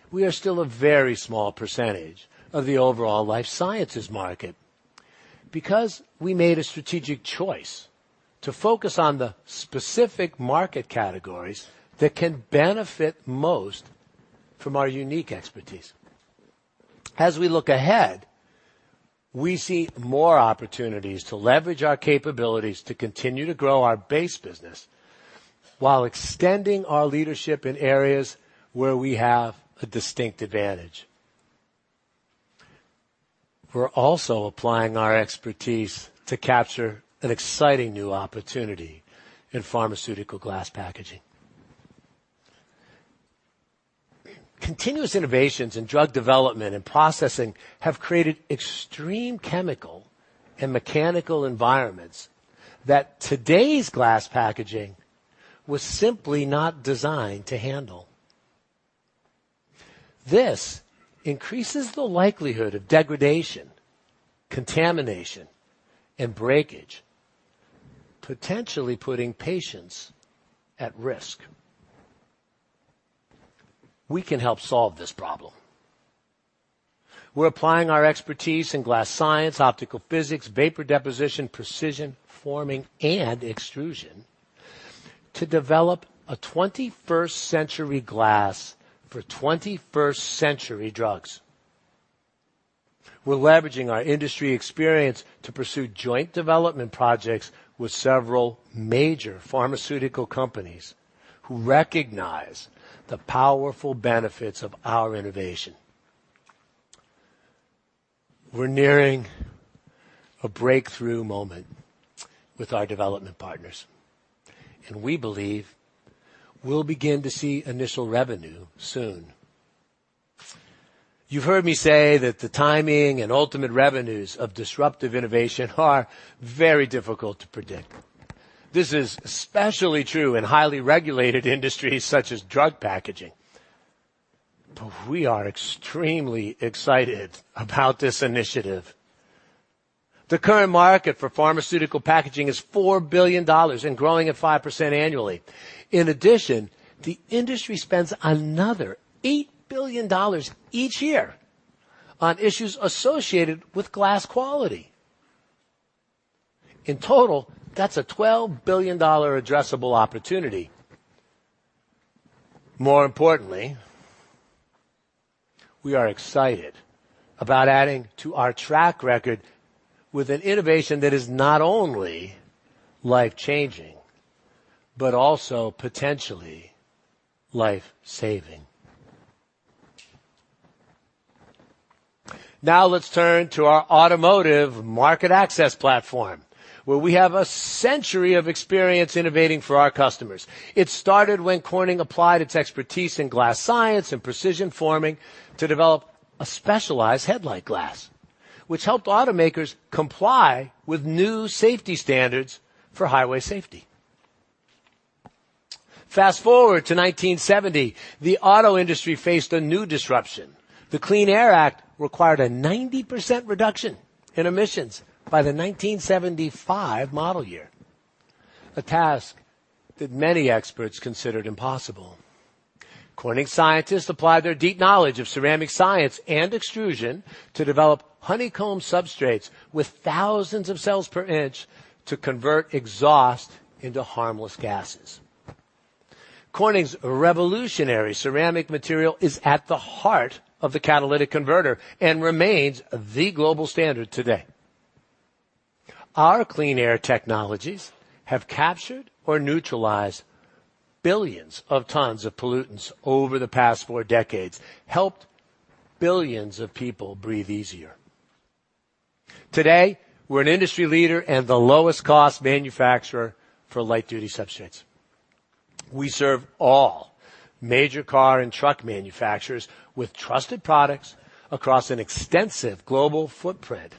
we are still a very small percentage of the overall life sciences market. Because we made a strategic choice to focus on the specific market categories that can benefit most from our unique expertise. As we look ahead, we see more opportunities to leverage our capabilities to continue to grow our base business while extending our leadership in areas where we have a distinct advantage. We're also applying our expertise to capture an exciting new opportunity in pharmaceutical glass packaging. Continuous innovations in drug development and processing have created extreme chemical and mechanical environments that today's glass packaging was simply not designed to handle. This increases the likelihood of degradation, contamination, and breakage, potentially putting patients at risk. We can help solve this problem. We're applying our expertise in glass science, optical physics, vapor deposition, precision forming, and extrusion to develop a 21st-century glass for 21st-century drugs. We're leveraging our industry experience to pursue joint development projects with several major pharmaceutical companies who recognize the powerful benefits of our innovation. We're nearing a breakthrough moment with our development partners. We believe we'll begin to see initial revenue soon. You've heard me say that the timing and ultimate revenues of disruptive innovation are very difficult to predict. This is especially true in highly regulated industries such as drug packaging. We are extremely excited about this initiative. The current market for pharmaceutical packaging is $4 billion and growing at 5% annually. In addition, the industry spends another $8 billion each year on issues associated with glass quality. In total, that's a $12 billion addressable opportunity. More importantly, we are excited about adding to our track record with an innovation that is not only life-changing, but also potentially life-saving. Let's turn to our automotive market access platform, where we have a century of experience innovating for our customers. It started when Corning applied its expertise in glass science and precision forming to develop a specialized headlight glass, which helped automakers comply with new safety standards for highway safety. Fast-forward to 1970, the auto industry faced a new disruption. The Clean Air Act required a 90% reduction in emissions by the 1975 model year, a task that many experts considered impossible. Corning scientists applied their deep knowledge of ceramic science and extrusion to develop honeycomb substrates with thousands of cells per inch to convert exhaust into harmless gases. Corning's revolutionary ceramic material is at the heart of the catalytic converter and remains the global standard today. Our clean air technologies have captured or neutralized billions of tons of pollutants over the past four decades, helped billions of people breathe easier. Today, we're an industry leader and the lowest cost manufacturer for light-duty substrates. We serve all major car and truck manufacturers with trusted products across an extensive global footprint.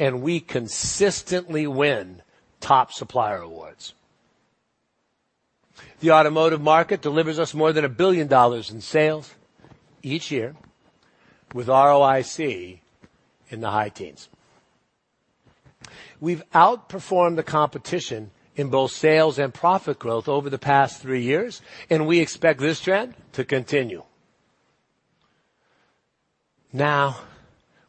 We consistently win top supplier awards. The automotive market delivers us more than a billion dollars in sales each year with ROIC in the high teens. We've outperformed the competition in both sales and profit growth over the past three years, and we expect this trend to continue.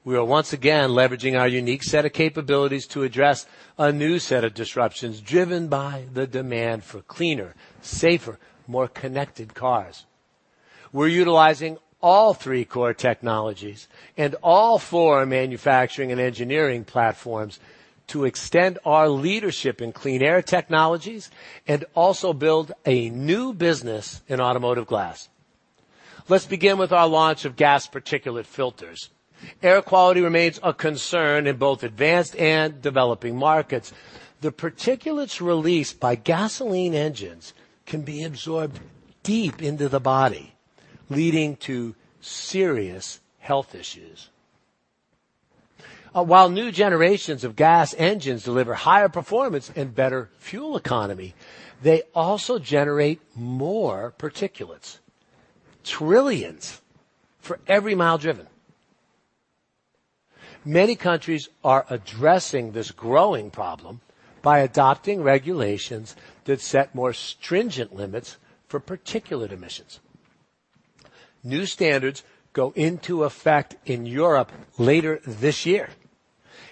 We are once again leveraging our unique set of capabilities to address a new set of disruptions driven by the demand for cleaner, safer, more connected cars. We're utilizing all three core technologies and all four manufacturing and engineering platforms to extend our leadership in clean air technologies and also build a new business in automotive glass. Let's begin with our launch of gas particulate filters. Air quality remains a concern in both advanced and developing markets. The particulates released by gasoline engines can be absorbed deep into the body, leading to serious health issues. While new generations of gas engines deliver higher performance and better fuel economy, they also generate more particulates, trillions for every mile driven. Many countries are addressing this growing problem by adopting regulations that set more stringent limits for particulate emissions. New standards go into effect in Europe later this year.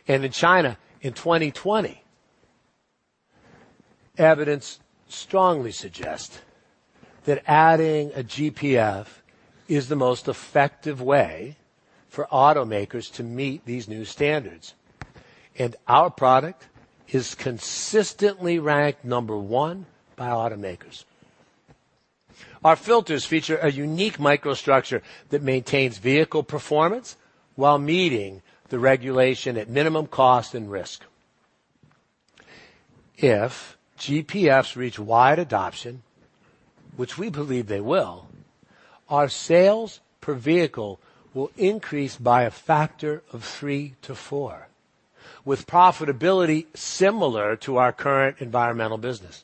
In China in 2020. Evidence strongly suggests that adding a GPF is the most effective way for automakers to meet these new standards. Our product is consistently ranked number one by automakers. Our filters feature a unique microstructure that maintains vehicle performance while meeting the regulation at minimum cost and risk. If GPFs reach wide adoption, which we believe they will, our sales per vehicle will increase by a factor of three to four, with profitability similar to our current environmental business.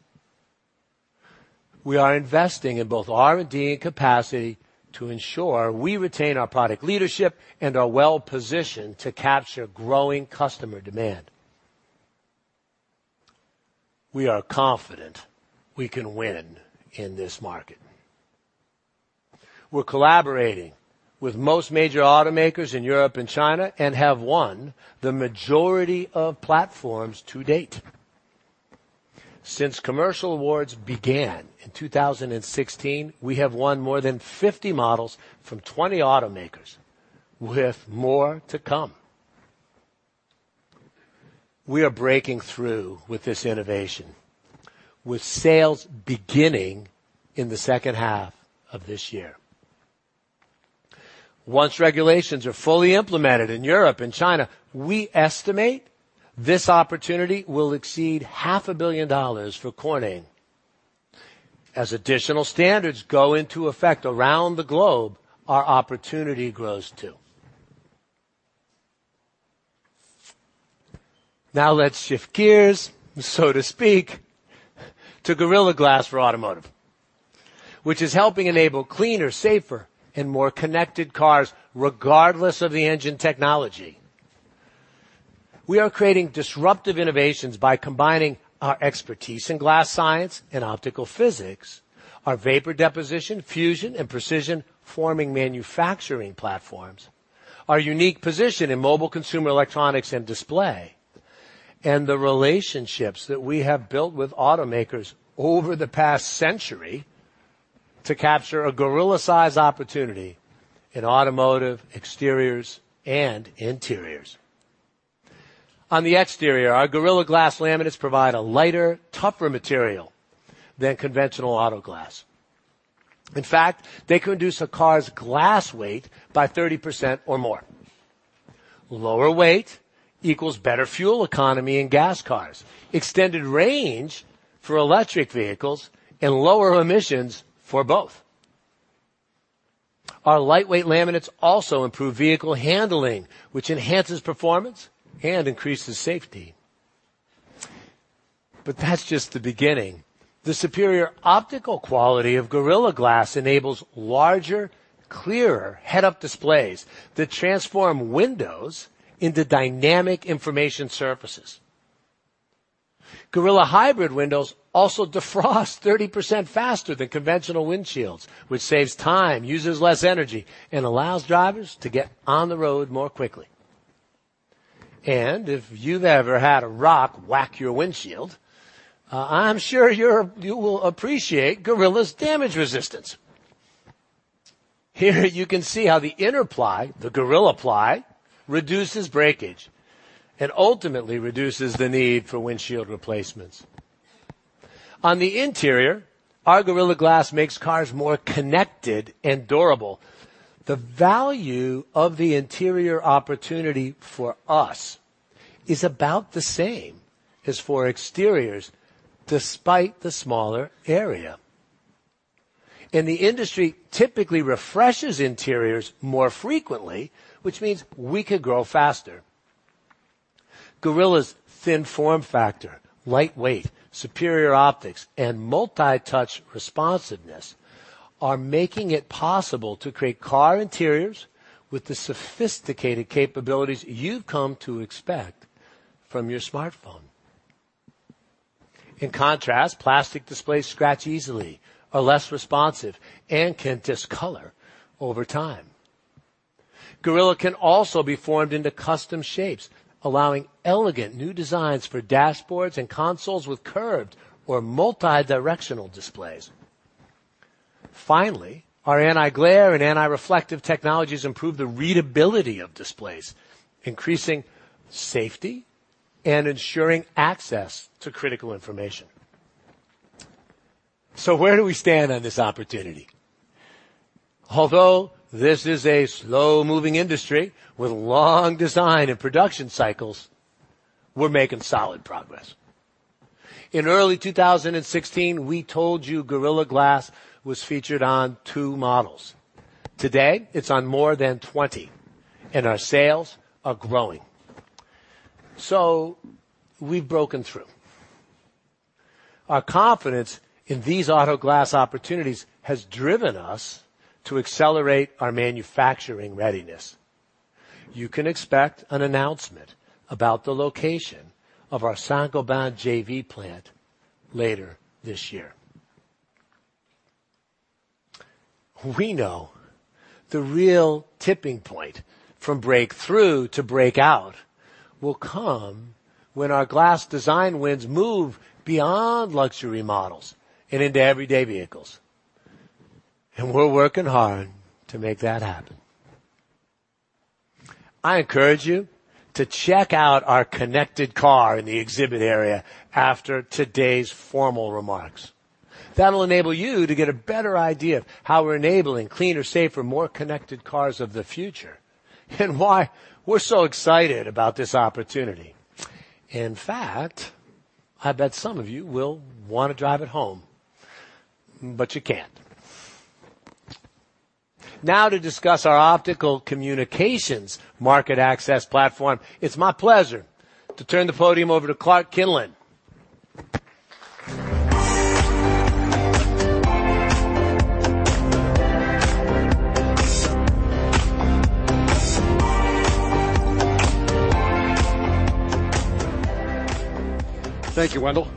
We are investing in both R&D and capacity to ensure we retain our product leadership and are well-positioned to capture growing customer demand. We are confident we can win in this market. We're collaborating with most major automakers in Europe and China. We have won the majority of platforms to date. Since commercial awards began in 2016, we have won more than 50 models from 20 automakers, with more to come. We are breaking through with this innovation, with sales beginning in the second half of this year. Once regulations are fully implemented in Europe and China, we estimate this opportunity will exceed half a billion dollars for Corning. As additional standards go into effect around the globe, our opportunity grows, too. Let's shift gears, so to speak, to Gorilla Glass for automotive, which is helping enable cleaner, safer, and more connected cars regardless of the engine technology. We are creating disruptive innovations by combining our expertise in glass science and optical physics, our vapor deposition, fusion, and precision forming manufacturing platforms, our unique position in mobile consumer electronics and display, and the relationships that we have built with automakers over the past century to capture a gorilla-sized opportunity in automotive exteriors and interiors. On the exterior, our Gorilla Glass laminates provide a lighter, tougher material than conventional auto glass. In fact, they can reduce a car's glass weight by 30% or more. Lower weight equals better fuel economy in gas cars, extended range for electric vehicles, and lower emissions for both. Our lightweight laminates also improve vehicle handling, which enhances performance and increases safety. That's just the beginning. The superior optical quality of Gorilla Glass enables larger, clearer head-up displays that transform windows into dynamic information surfaces. Gorilla hybrid windows also defrost 30% faster than conventional windshields, which saves time, uses less energy, and allows drivers to get on the road more quickly. If you've ever had a rock whack your windshield, I'm sure you will appreciate Gorilla's damage resistance. Here you can see how the inner ply, the Gorilla Ply, reduces breakage and ultimately reduces the need for windshield replacements. On the interior, our Gorilla Glass makes cars more connected and durable. The value of the interior opportunity for us is about the same as for exteriors, despite the smaller area. The industry typically refreshes interiors more frequently, which means we could grow faster. Gorilla's thin form factor, light weight, superior optics, and multi-touch responsiveness are making it possible to create car interiors with the sophisticated capabilities you've come to expect from your smartphone. In contrast, plastic displays scratch easily, are less responsive, and can discolor over time. Gorilla can also be formed into custom shapes, allowing elegant new designs for dashboards and consoles with curved or multi-directional displays. Finally, our anti-glare and anti-reflective technologies improve the readability of displays, increasing safety and ensuring access to critical information. Where do we stand on this opportunity? Although this is a slow-moving industry with long design and production cycles, we're making solid progress. In early 2016, we told you Gorilla Glass was featured on two models. Today, it's on more than 20, our sales are growing. We've broken through. Our confidence in these auto glass opportunities has driven us to accelerate our manufacturing readiness. You can expect an announcement about the location of our Saint-Gobain JV plant later this year. We know the real tipping point from breakthrough to breakout will come when our glass design wins move beyond luxury models and into everyday vehicles. We're working hard to make that happen. I encourage you to check out our connected car in the exhibit area after today's formal remarks. That'll enable you to get a better idea of how we're enabling cleaner, safer, more connected cars of the future. Why we're so excited about this opportunity. In fact, I bet some of you will want to drive it home. You can't. Now to discuss our optical communications market access platform, it's my pleasure to turn the podium over to Clark Kinlin. Thank you, Wendell.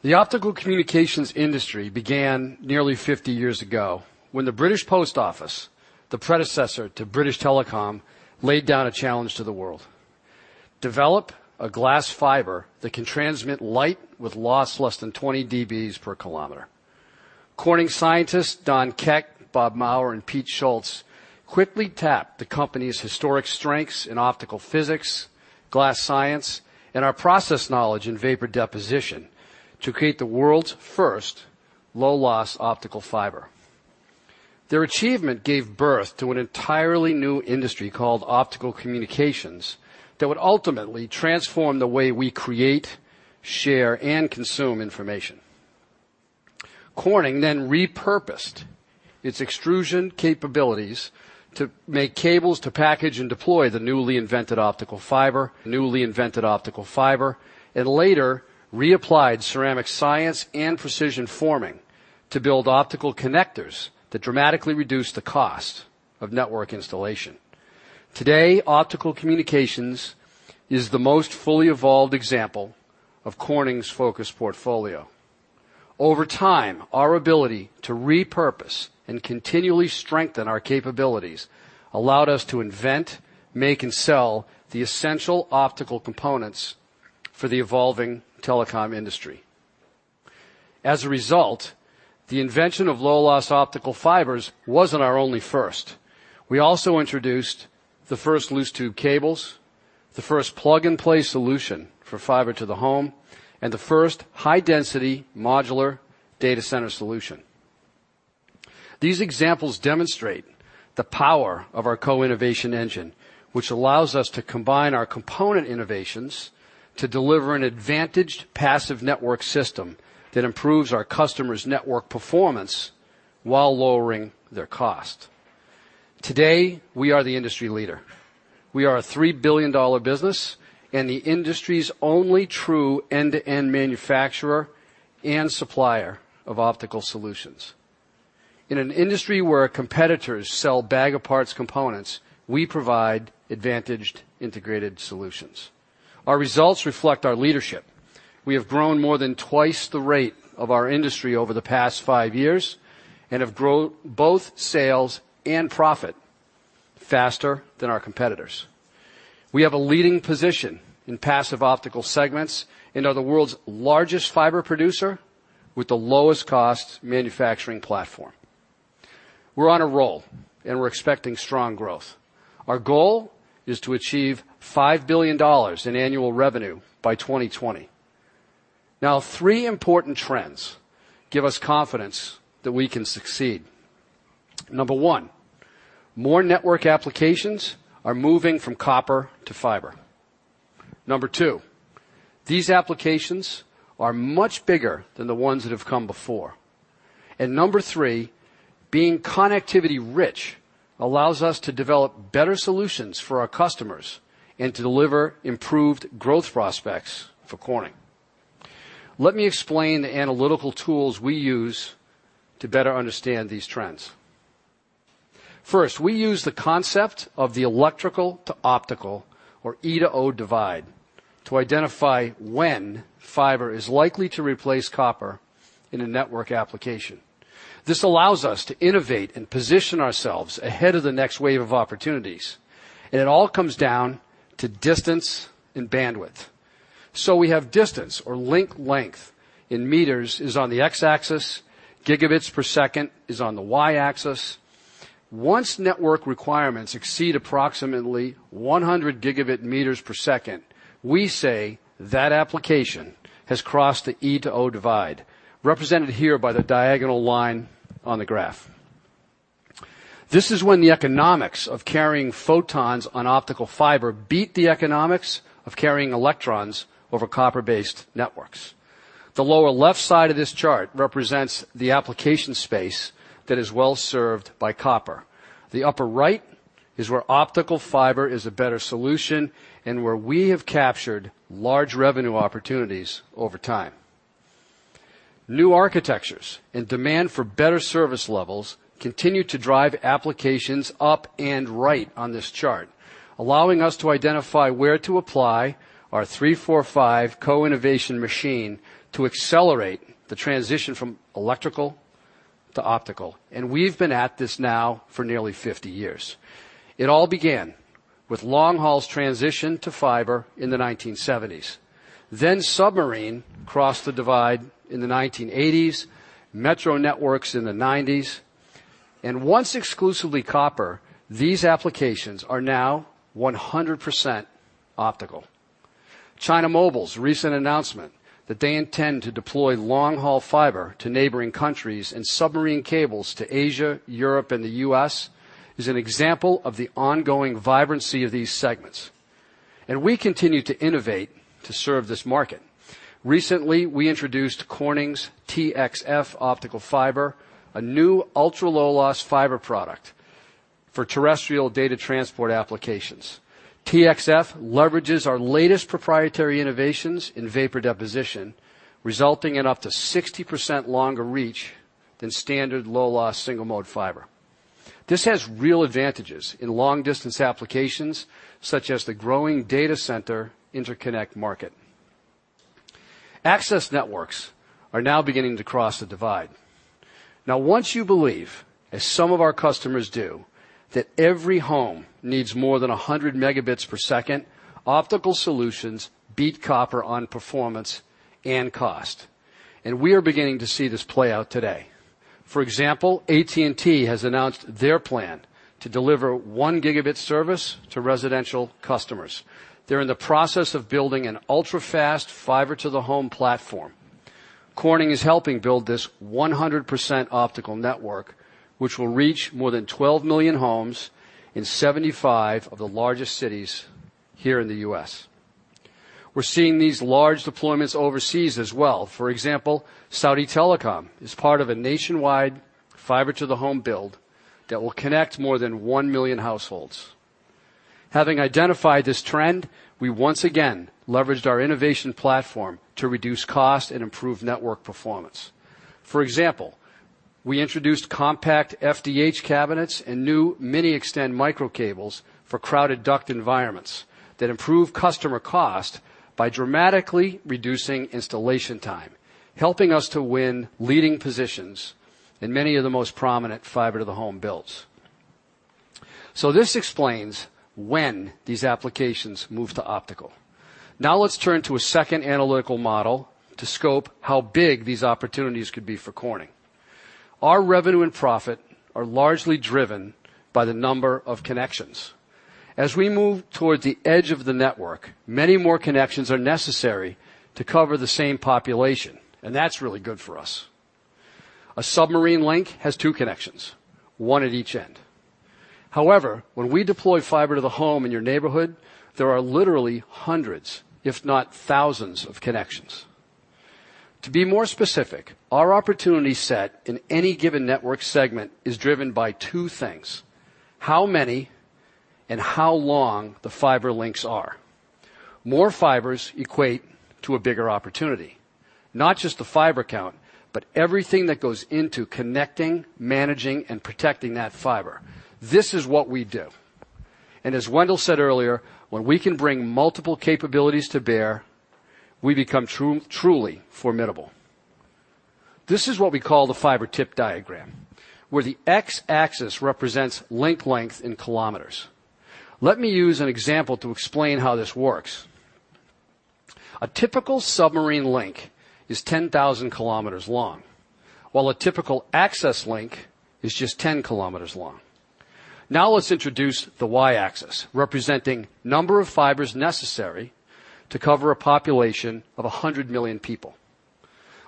The optical communications industry began nearly 50 years ago when the British Post Office, the predecessor to British Telecom, laid down a challenge to the world. Develop a glass fiber that can transmit light with loss less than 20 dB per kilometer. Corning scientists Don Keck, Bob Maurer, and Pete Schultz quickly tapped the company's historic strengths in optical physics, glass science, and our process knowledge in vapor deposition to create the world's first low-loss optical fiber. Their achievement gave birth to an entirely new industry called optical communications that would ultimately transform the way we create, share, and consume information. Corning repurposed its extrusion capabilities to make cables to package and deploy the newly invented optical fiber. Later reapplied ceramic science and precision forming to build optical connectors that dramatically reduced the cost of network installation. Today, optical communications is the most fully evolved example of Corning's focused portfolio. Over time, our ability to repurpose and continually strengthen our capabilities allowed us to invent, make, and sell the essential optical components for the evolving telecom industry. As a result, the invention of low-loss optical fibers wasn't our only first. We also introduced the first loose tube cables, the first plug-and-play solution for fiber to the home, and the first high-density modular data center solution. These examples demonstrate the power of our co-innovation engine, which allows us to combine our component innovations to deliver an advantaged passive network system that improves our customers' network performance while lowering their cost. Today, we are the industry leader. We are a $3 billion business and the industry's only true end-to-end manufacturer and supplier of optical solutions. In an industry where competitors sell bag of parts components, we provide advantaged integrated solutions. Our results reflect our leadership. We have grown more than twice the rate of our industry over the past 5 years and have grown both sales and profit faster than our competitors. We have a leading position in passive optical segments and are the world's largest fiber producer with the lowest cost manufacturing platform. We're on a roll. We're expecting strong growth. Our goal is to achieve $5 billion in annual revenue by 2020. Now, three important trends give us confidence that we can succeed. Number 1, more network applications are moving from copper to fiber. Number 2, these applications are much bigger than the ones that have come before. Number 3, being connectivity-rich allows us to develop better solutions for our customers and to deliver improved growth prospects for Corning. Let me explain the analytical tools we use to better understand these trends. First, we use the concept of the electrical-to-optical, or E/O divide, to identify when fiber is likely to replace copper in a network application. This allows us to innovate and position ourselves ahead of the next wave of opportunities. It all comes down to distance and bandwidth. We have distance or link length in meters is on the X-axis, gigabits per second is on the Y-axis. Once network requirements exceed approximately 100 gigabit meters per second, we say that application has crossed the E/O divide, represented here by the diagonal line on the graph. This is when the economics of carrying photons on optical fiber beat the economics of carrying electrons over copper-based networks. The lower left side of this chart represents the application space that is well-served by copper. The upper right is where optical fiber is a better solution and where we have captured large revenue opportunities over time. New architectures and demand for better service levels continue to drive applications up and right on this chart, allowing us to identify where to apply our 3-4-5 co-innovation machine to accelerate the transition from electrical to optical. We've been at this now for nearly 50 years. It all began with long haul's transition to fiber in the 1970s. Submarine crossed the divide in the 1980s, metro networks in the 1990s. Once exclusively copper, these applications are now 100% optical. China Mobile's recent announcement that they intend to deploy long-haul fiber to neighboring countries and submarine cables to Asia, Europe, and the U.S. is an example of the ongoing vibrancy of these segments, and we continue to innovate to serve this market. Recently, we introduced Corning's TXF optical fiber, a new ultra-low-loss fiber product for terrestrial data transport applications. TXF leverages our latest proprietary innovations in vapor deposition, resulting in up to 60% longer reach than standard low-loss single-mode fiber. This has real advantages in long-distance applications, such as the growing data center interconnect market. Access networks are now beginning to cross the divide. Now, once you believe, as some of our customers do, that every home needs more than 100 megabits per second, optical solutions beat copper on performance and cost. We are beginning to see this play out today. For example, AT&T has announced their plan to deliver one gigabit service to residential customers. They're in the process of building an ultrafast fiber-to-the-home platform. Corning is helping build this 100% optical network, which will reach more than 12 million homes in 75 of the largest cities here in the U.S. We're seeing these large deployments overseas as well. For example, Saudi Telecom is part of a nationwide fiber-to-the-home build that will connect more than 1 million households. Having identified this trend, we once again leveraged our innovation platform to reduce cost and improve network performance. For example, we introduced compact FDH cabinets and new MiniXtend micro cables for crowded duct environments that improve customer cost by dramatically reducing installation time, helping us to win leading positions in many of the most prominent fiber-to-the-home builds. This explains when these applications move to optical. Let's turn to a second analytical model to scope how big these opportunities could be for Corning. Our revenue and profit are largely driven by the number of connections. As we move towards the edge of the network, many more connections are necessary to cover the same population. That's really good for us. A submarine link has two connections, one at each end. However, when we deploy fiber to the home in your neighborhood, there are literally hundreds, if not thousands, of connections. To be more specific, our opportunity set in any given network segment is driven by two things: how many and how long the fiber links are. More fibers equate to a bigger opportunity. Not just the fiber count, but everything that goes into connecting, managing, and protecting that fiber. This is what we do. As Wendell said earlier, when we can bring multiple capabilities to bear, we become truly formidable. This is what we call the fiber tip diagram, where the x-axis represents link length in kilometers. Let me use an example to explain how this works. A typical submarine link is 10,000 kilometers long, while a typical access link is just 10 kilometers long. Let's introduce the y-axis, representing the number of fibers necessary to cover a population of 100 million people.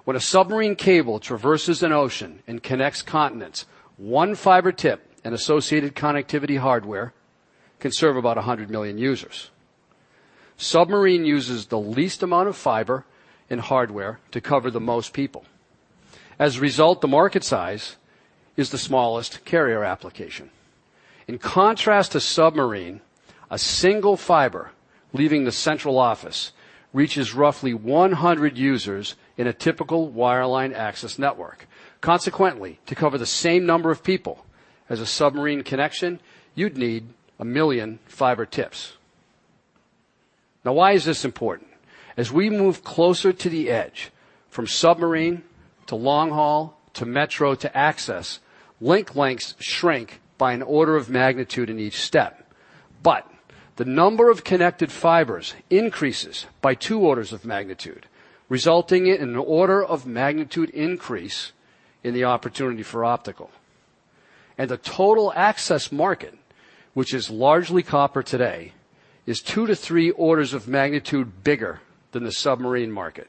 When a submarine cable traverses an ocean and connects continents, one fiber tip and associated connectivity hardware can serve about 100 million users. Submarine uses the least amount of fiber and hardware to cover the most people. As a result, the market size is the smallest carrier application. In contrast to submarine, a single fiber leaving the central office reaches roughly 100 users in a typical wireline access network. Consequently, to cover the same number of people as a submarine connection, you'd need a million fiber tips. Why is this important? As we move closer to the edge, from submarine to long-haul, to metro, to access, link lengths shrink by an order of magnitude in each step. The number of connected fibers increases by two orders of magnitude, resulting in an order of magnitude increase in the opportunity for optical. The total access market, which is largely copper today, is two to three orders of magnitude bigger than the submarine market.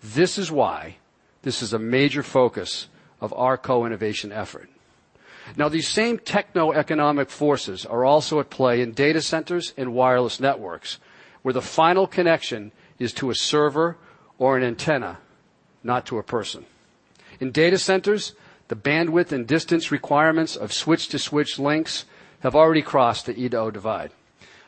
This is why this is a major focus of our co-innovation effort. These same techno-economic forces are also at play in data centers and wireless networks, where the final connection is to a server or an antenna, not to a person. In data centers, the bandwidth and distance requirements of switch-to-switch links have already crossed the E to O divide.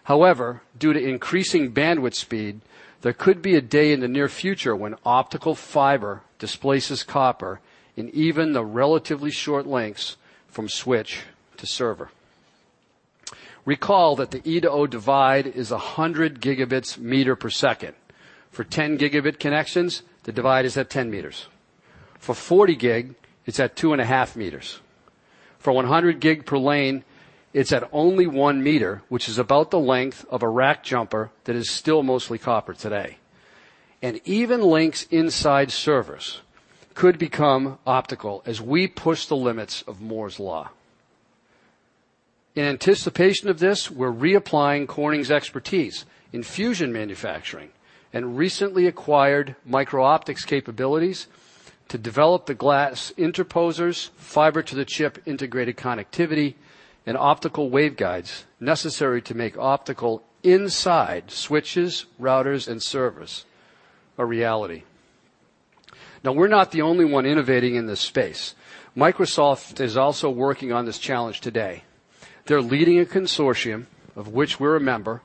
However, due to increasing bandwidth speed, there could be a day in the near future when optical fiber displaces copper in even the relatively short lengths from switch to server. Recall that the E to O divide is 100 gigabits meter per second. For 10 gigabit connections, the divide is at 10 meters. For 40 gig, it's at two and a half meters. For 100 gig per lane, it's at only one meter, which is about the length of a rack jumper that is still mostly copper today. Even links inside servers could become optical as we push the limits of Moore's law. In anticipation of this, we're reapplying Corning's expertise in fusion manufacturing and recently acquired micro-optics capabilities to develop the glass interposers, fiber-to-the-chip integrated connectivity, and optical waveguides necessary to make optical inside switches, routers, and servers a reality. We're not the only one innovating in this space. Microsoft is also working on this challenge today. They're leading a consortium, of which we're a member,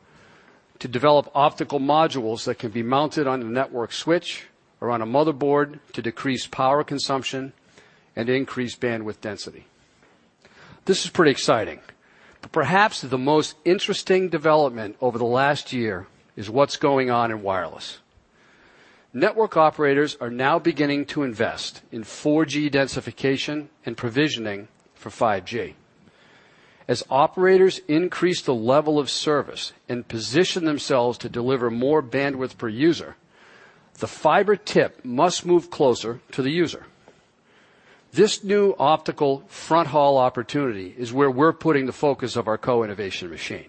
to develop optical modules that can be mounted on a network switch or on a motherboard to decrease power consumption and increase bandwidth density. This is pretty exciting, but perhaps the most interesting development over the last year is what's going on in wireless. Network operators are now beginning to invest in 4G densification and provisioning for 5G. As operators increase the level of service and position themselves to deliver more bandwidth per user, the fiber tip must move closer to the user. This new optical front-haul opportunity is where we're putting the focus of our co-innovation machine.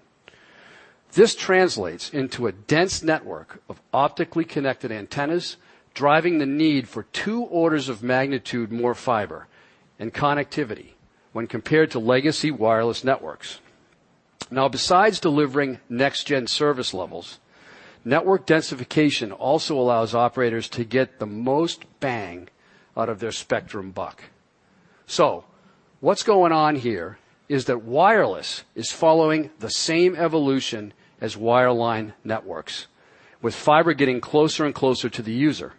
This translates into a dense network of optically connected antennas, driving the need for two orders of magnitude more fiber and connectivity when compared to legacy wireless networks. Besides delivering next-gen service levels, network densification also allows operators to get the most bang out of their spectrum buck. What's going on here is that wireless is following the same evolution as wireline networks, with fiber getting closer and closer to the user.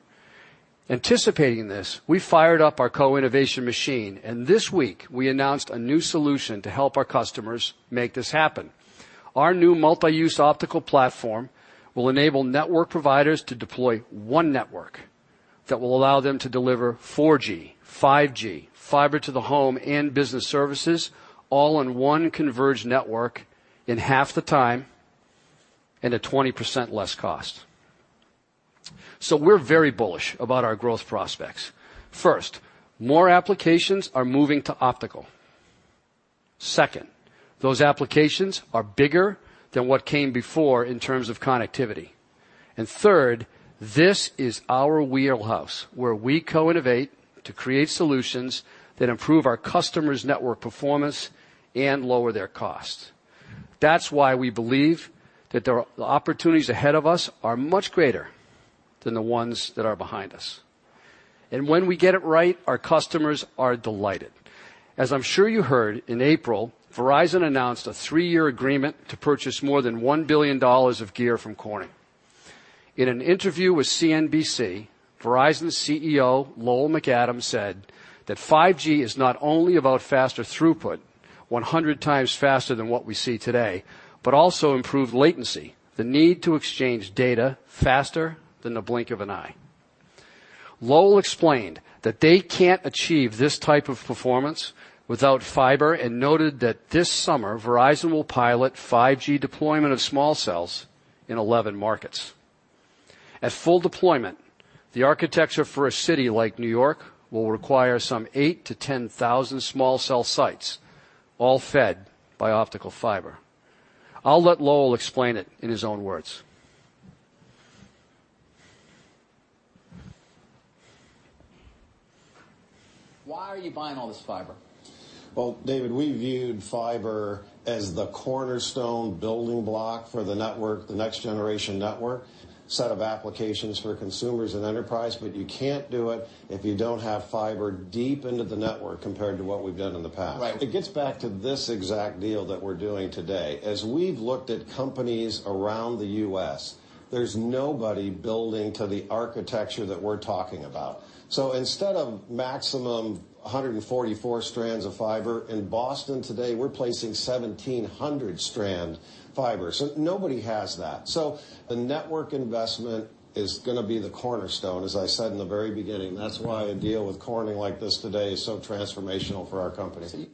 Anticipating this, we fired up our co-innovation machine, and this week, we announced a new solution to help our customers make this happen. Our new multi-use optical platform will enable network providers to deploy one network that will allow them to deliver 4G, 5G, fiber to the home and business services all in one converged network in half the time and at 20% less cost. We're very bullish about our growth prospects. First, more applications are moving to optical. Second, those applications are bigger than what came before in terms of connectivity. Third, this is our wheelhouse, where we co-innovate to create solutions that improve our customers' network performance and lower their costs. That's why we believe that the opportunities ahead of us are much greater than the ones that are behind us. When we get it right, our customers are delighted. As I'm sure you heard, in April, Verizon announced a three-year agreement to purchase more than $1 billion of gear from Corning. In an interview with CNBC, Verizon's CEO, Lowell McAdam, said that 5G is not only about faster throughput, 100 times faster than what we see today, but also improved latency, the need to exchange data faster than the blink of an eye. Lowell explained that they can't achieve this type of performance without fiber and noted that this summer, Verizon will pilot 5G deployment of small cells in 11 markets. At full deployment, the architecture for a city like New York will require some 8,000 to 10,000 small cell sites, all fed by optical fiber. I'll let Lowell explain it in his own words. Why are you buying all this fiber? Well, David, we viewed fiber as the cornerstone building block for the network, the next-generation network set of applications for consumers and enterprise, but you can't do it if you don't have fiber deep into the network compared to what we've done in the past. Right. It gets back to this exact deal that we're doing today. As we've looked at companies around the U.S., there's nobody building to the architecture that we're talking about. Instead of maximum 144 strands of fiber, in Boston today, we're placing 1,700-strand fiber. Nobody has that. The network investment is going to be the cornerstone, as I said in the very beginning. That's why a deal with Corning like this today is so transformational for our company.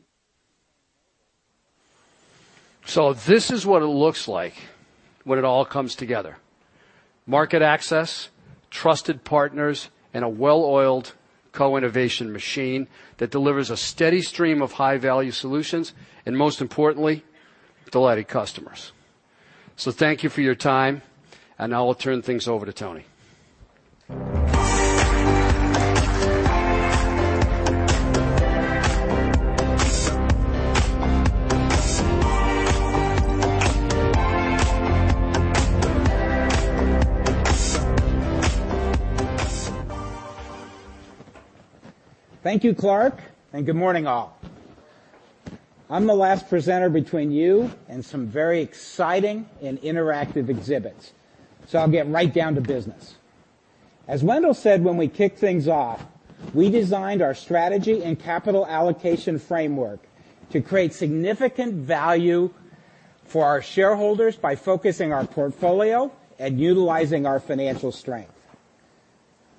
This is what it looks like when it all comes together. Market access, trusted partners, and a well-oiled co-innovation machine that delivers a steady stream of high-value solutions, and most importantly, delighted customers. Thank you for your time, and now I'll turn things over to Tony. Thank you, Clark, good morning, all. I am the last presenter between you and some very exciting and interactive exhibits, so I will get right down to business. As Wendell said when we kicked things off, we designed our strategy and capital allocation framework to create significant value for our shareholders by focusing on our portfolio and utilizing our financial strength.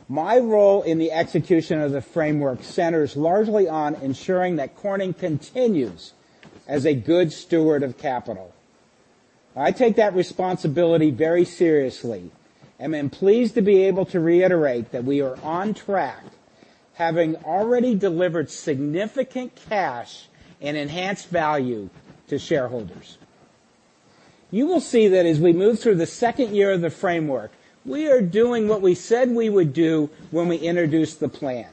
My role in the execution of the framework centers largely on ensuring that Corning continues as a good steward of capital. I take that responsibility very seriously, and am pleased to be able to reiterate that we are on track, having already delivered significant cash and enhanced value to shareholders. You will see that as we move through the second year of the framework, we are doing what we said we would do when we introduced the plan.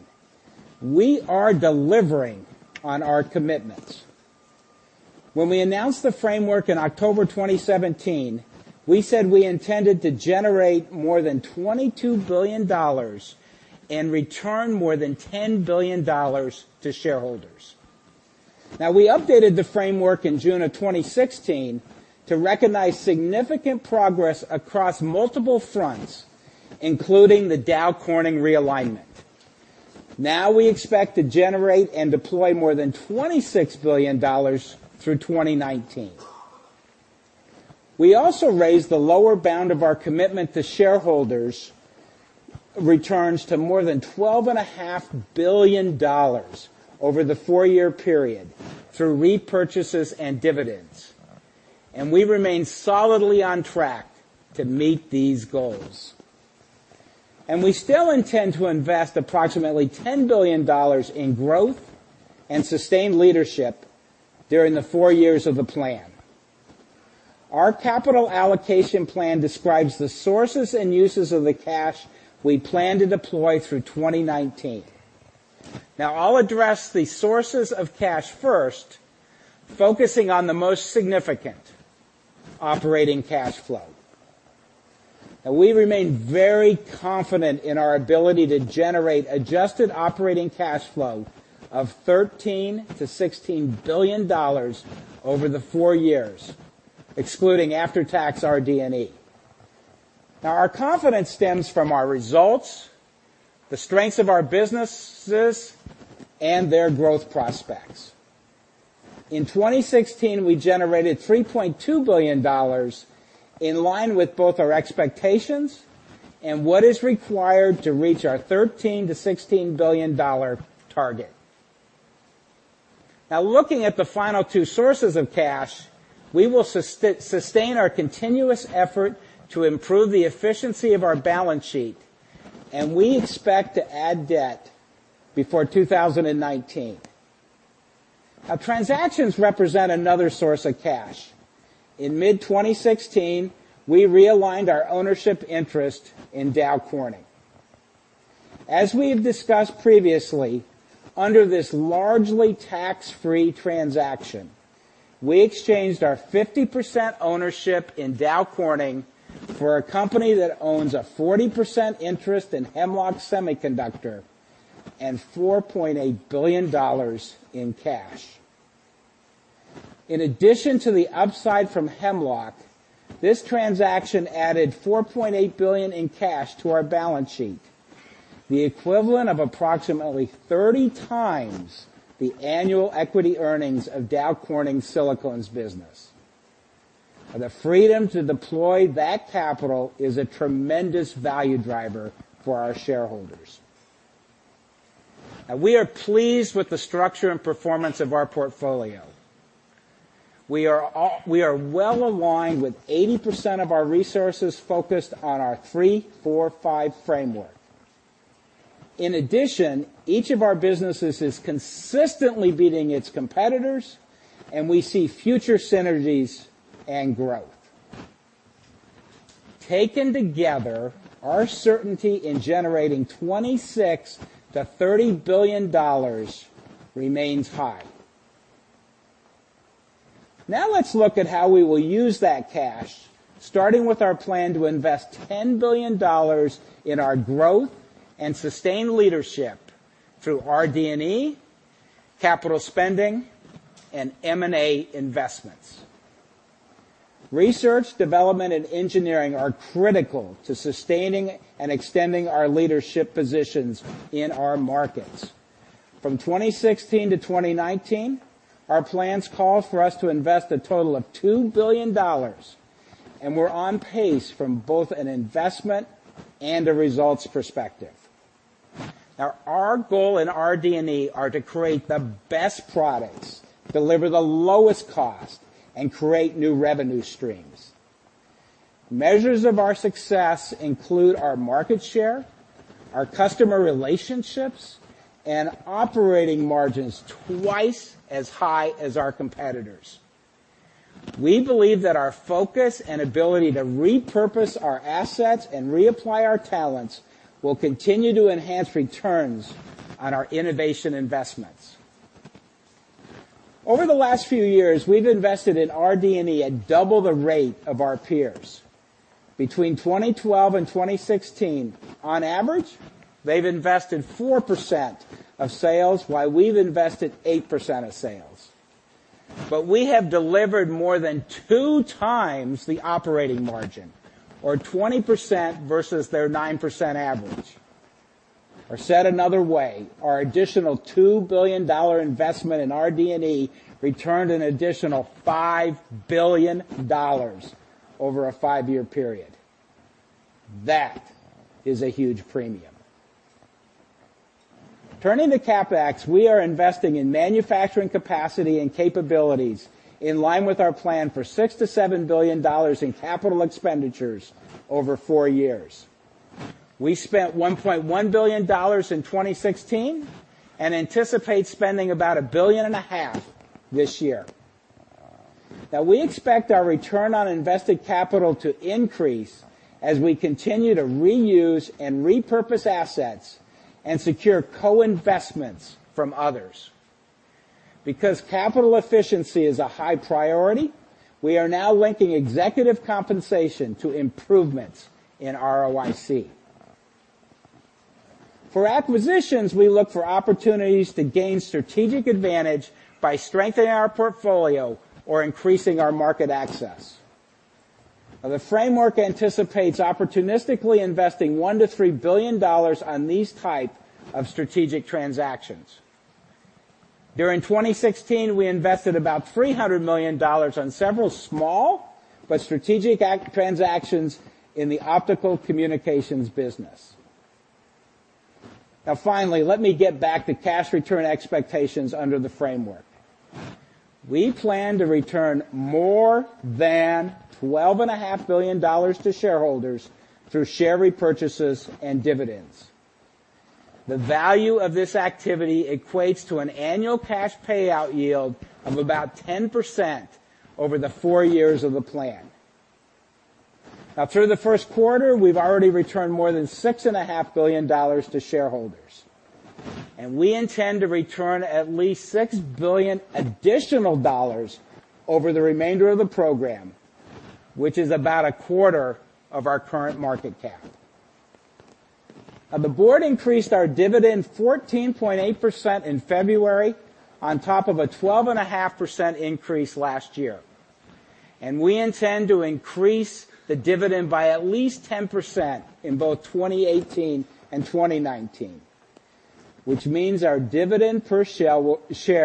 We are delivering on our commitments. When we announced the framework in October 2015, we said we intended to generate more than $22 billion and return more than $10 billion to shareholders. We updated the framework in June of 2016 to recognize significant progress across multiple fronts, including the Dow Corning realignment. We expect to generate and deploy more than $26 billion through 2019. We also raised the lower bound of our commitment to shareholders' returns to more than $12.5 billion over the four-year period through repurchases and dividends, and we remain solidly on track to meet these goals. We still intend to invest approximately $10 billion in growth and sustained leadership during the four years of the plan. Our capital allocation plan describes the sources and uses of the cash we plan to deploy through 2019. I will address the sources of cash first, focusing on the most significant, operating cash flow. We remain very confident in our ability to generate adjusted operating cash flow of $13 billion-$16 billion over the four years, excluding after-tax RD&E. Our confidence stems from our results, the strengths of our businesses, and their growth prospects. In 2016, we generated $3.2 billion, in line with both our expectations and what is required to reach our $13 billion-$16 billion target. Looking at the final two sources of cash, we will sustain our continuous effort to improve the efficiency of our balance sheet, and we expect to add debt before 2019. Transactions represent another source of cash. In mid-2016, we realigned our ownership interest in Dow Corning. As we have discussed previously, under this largely tax-free transaction, we exchanged our 50% ownership in Dow Corning for a company that owns a 40% interest in Hemlock Semiconductor and $4.8 billion in cash. In addition to the upside from Hemlock, this transaction added $4.8 billion in cash to our balance sheet, the equivalent of approximately 30 times the annual equity earnings of Dow Corning's silicon business. The freedom to deploy that capital is a tremendous value driver for our shareholders. We are pleased with the structure and performance of our portfolio. We are well-aligned with 80% of our resources focused on our 3-4-5 framework. In addition, each of our businesses is consistently beating its competitors, and we see future synergies and growth. Taken together, our certainty in generating $26 billion-$30 billion remains high. Let us look at how we will use that cash, starting with our plan to invest $10 billion in our growth and sustained leadership through RD&E, capital spending, and M&A investments. Research, development, and engineering are critical to sustaining and extending our leadership positions in our markets. From 2016 to 2019, our plans call for us to invest a total of $2 billion, we're on pace from both an investment and a results perspective. Our goal in RD&E are to create the best products, deliver the lowest cost, and create new revenue streams. Measures of our success include our market share, our customer relationships, and operating margins twice as high as our competitors. We believe that our focus and ability to repurpose our assets and reapply our talents will continue to enhance returns on our innovation investments. Over the last few years, we've invested in RD&E at double the rate of our peers. Between 2012 and 2016, on average, they've invested 4% of sales while we've invested 8% of sales. We have delivered more than two times the operating margin, or 20% versus their 9% average. Said another way, our additional $2 billion investment in RD&E returned an additional $5 billion over a five-year period. That is a huge premium. Turning to CapEx, we are investing in manufacturing capacity and capabilities in line with our plan for $6 billion-$7 billion in capital expenditures over four years. We spent $1.1 billion in 2016 and anticipate spending about a billion and a half this year. We expect our return on invested capital to increase as we continue to reuse and repurpose assets and secure co-investments from others. Because capital efficiency is a high priority, we are now linking executive compensation to improvements in ROIC. For acquisitions, we look for opportunities to gain strategic advantage by strengthening our portfolio or increasing our market access. The framework anticipates opportunistically investing $1 billion-$3 billion on these type of strategic transactions. During 2016, we invested about $300 million on several small but strategic transactions in the optical communications business. Finally, let me get back to cash return expectations under the framework. We plan to return more than $12.5 billion to shareholders through share repurchases and dividends. The value of this activity equates to an annual cash payout yield of about 10% over the four years of the plan. Through the first quarter, we've already returned more than $6.5 billion to shareholders, and we intend to return at least $6 billion additional dollars over the remainder of the program, which is about a quarter of our current market cap. The board increased our dividend 14.8% in February on top of a 12.5% increase last year. We intend to increase the dividend by at least 10% in both 2018 and 2019, which means our dividend per share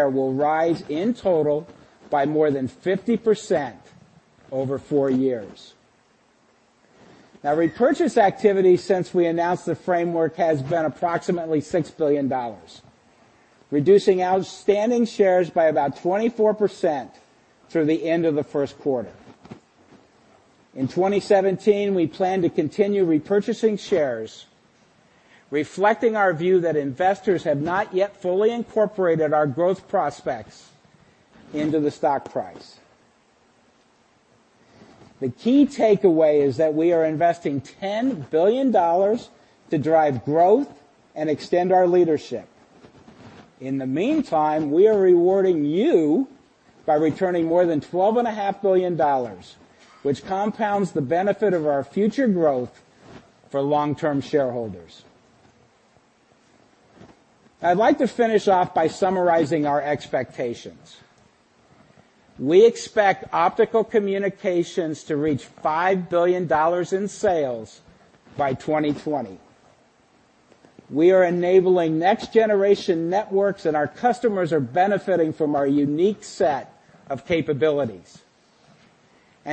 will rise in total by more than 50% over four years. Repurchase activity since we announced the framework has been approximately $6 billion, reducing outstanding shares by about 24% through the end of the first quarter. In 2017, we plan to continue repurchasing shares, reflecting our view that investors have not yet fully incorporated our growth prospects into the stock price. The key takeaway is that we are investing $10 billion to drive growth and extend our leadership. In the meantime, we are rewarding you by returning more than $12.5 billion, which compounds the benefit of our future growth for long-term shareholders. I'd like to finish off by summarizing our expectations. We expect optical communications to reach $5 billion in sales by 2020. We are enabling next-generation networks. Our customers are benefiting from our unique set of capabilities.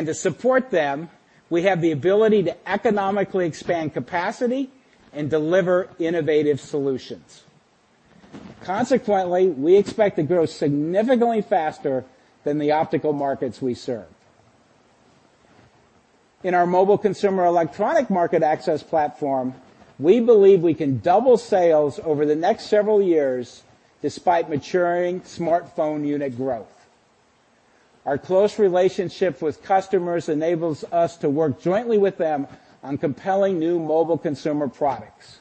To support them, we have the ability to economically expand capacity and deliver innovative solutions. Consequently, we expect to grow significantly faster than the optical markets we serve. In our Mobile Consumer Electronic Market Access Platform, we believe we can double sales over the next several years despite maturing smartphone unit growth. Our close relationship with customers enables us to work jointly with them on compelling new mobile consumer products.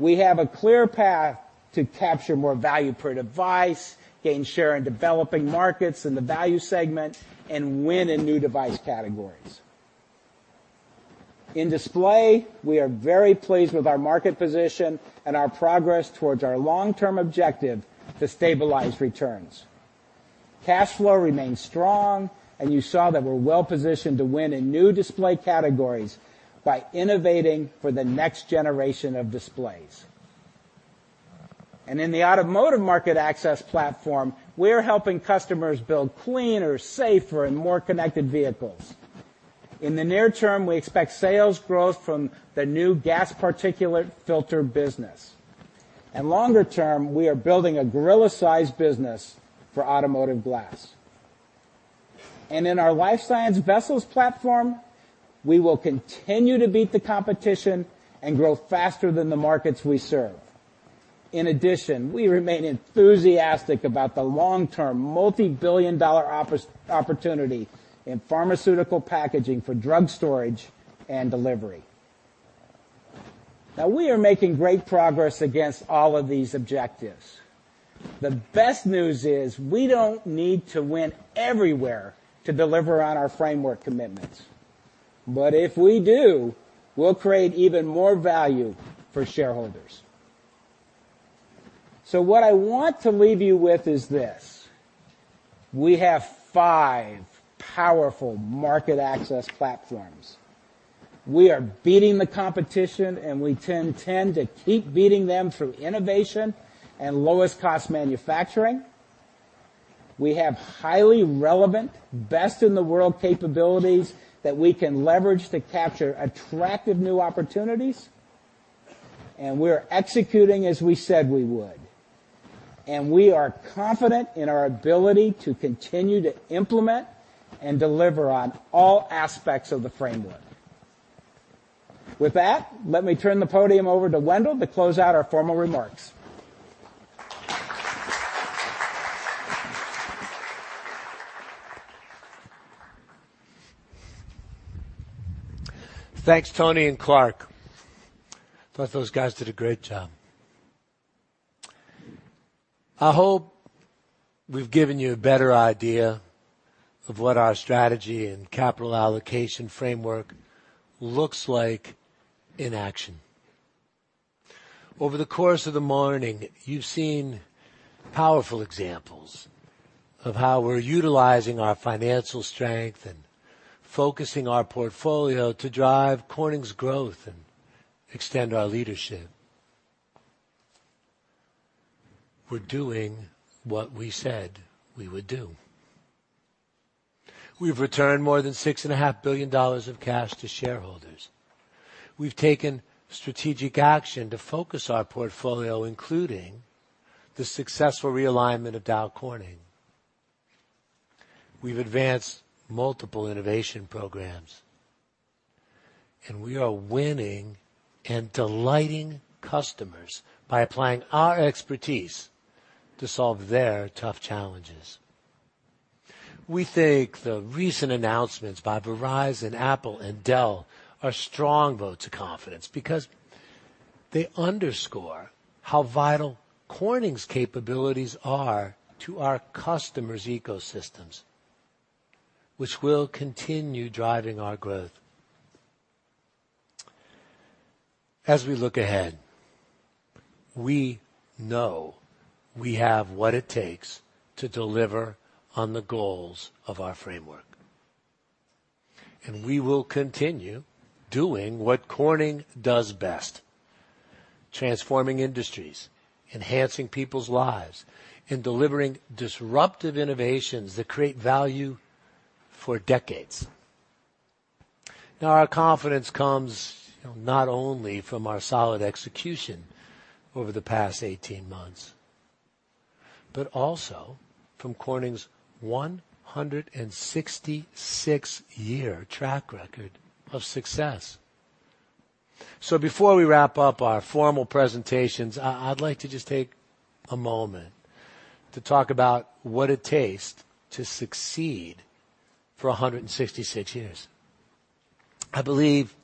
We have a clear path to capture more value per device, gain share in developing markets in the value segment, and win in new device categories. In Display, we are very pleased with our market position and our progress towards our long-term objective to stabilize returns. Cash flow remains strong. You saw that we're well-positioned to win in new Display categories by innovating for the next generation of displays. In the Automotive Market Access Platform, we're helping customers build cleaner, safer, and more connected vehicles. In the near term, we expect sales growth from the new gas particulate filter business. Longer term, we are building a gorilla-sized business for automotive glass. In our Life Science Vessels Platform, we will continue to beat the competition and grow faster than the markets we serve. In addition, we remain enthusiastic about the long-term, multi-billion dollar opportunity in pharmaceutical packaging for drug storage and delivery. We are making great progress against all of these objectives. The best news is we don't need to win everywhere to deliver on our framework commitments. If we do, we'll create even more value for shareholders. What I want to leave you with is this. We have 5 powerful Market Access Platforms. We are beating the competition. We intend to keep beating them through innovation and lowest cost manufacturing. We have highly relevant, best-in-the-world capabilities that we can leverage to capture attractive new opportunities. We're executing as we said we would. We are confident in our ability to continue to implement and deliver on all aspects of the framework. With that, let me turn the podium over to Wendell to close out our formal remarks. Thanks, Tony and Clark. Thought those guys did a great job. I hope we've given you a better idea of what our strategy and capital allocation framework looks like in action. Over the course of the morning, you've seen powerful examples of how we're utilizing our financial strength and focusing our portfolio to drive Corning's growth and extend our leadership. We're doing what we said we would do. We've returned more than six and a half billion dollars of cash to shareholders. We've taken strategic action to focus our portfolio, including the successful realignment of Dow Corning. We've advanced multiple innovation programs. We are winning and delighting customers by applying our expertise to solve their tough challenges. We think the recent announcements by Verizon, Apple, and Dell are strong votes of confidence because they underscore how vital Corning's capabilities are to our customers' ecosystems, which will continue driving our growth. As we look ahead, we know we have what it takes to deliver on the goals of our framework, and we will continue doing what Corning does best, transforming industries, enhancing people's lives, and delivering disruptive innovations that create value for decades. Our confidence comes not only from our solid execution over the past 18 months, but also from Corning's 166-year track record of success. Before we wrap up our formal presentations, I'd like to just take a moment to talk about what it takes to succeed for 166 years. I believe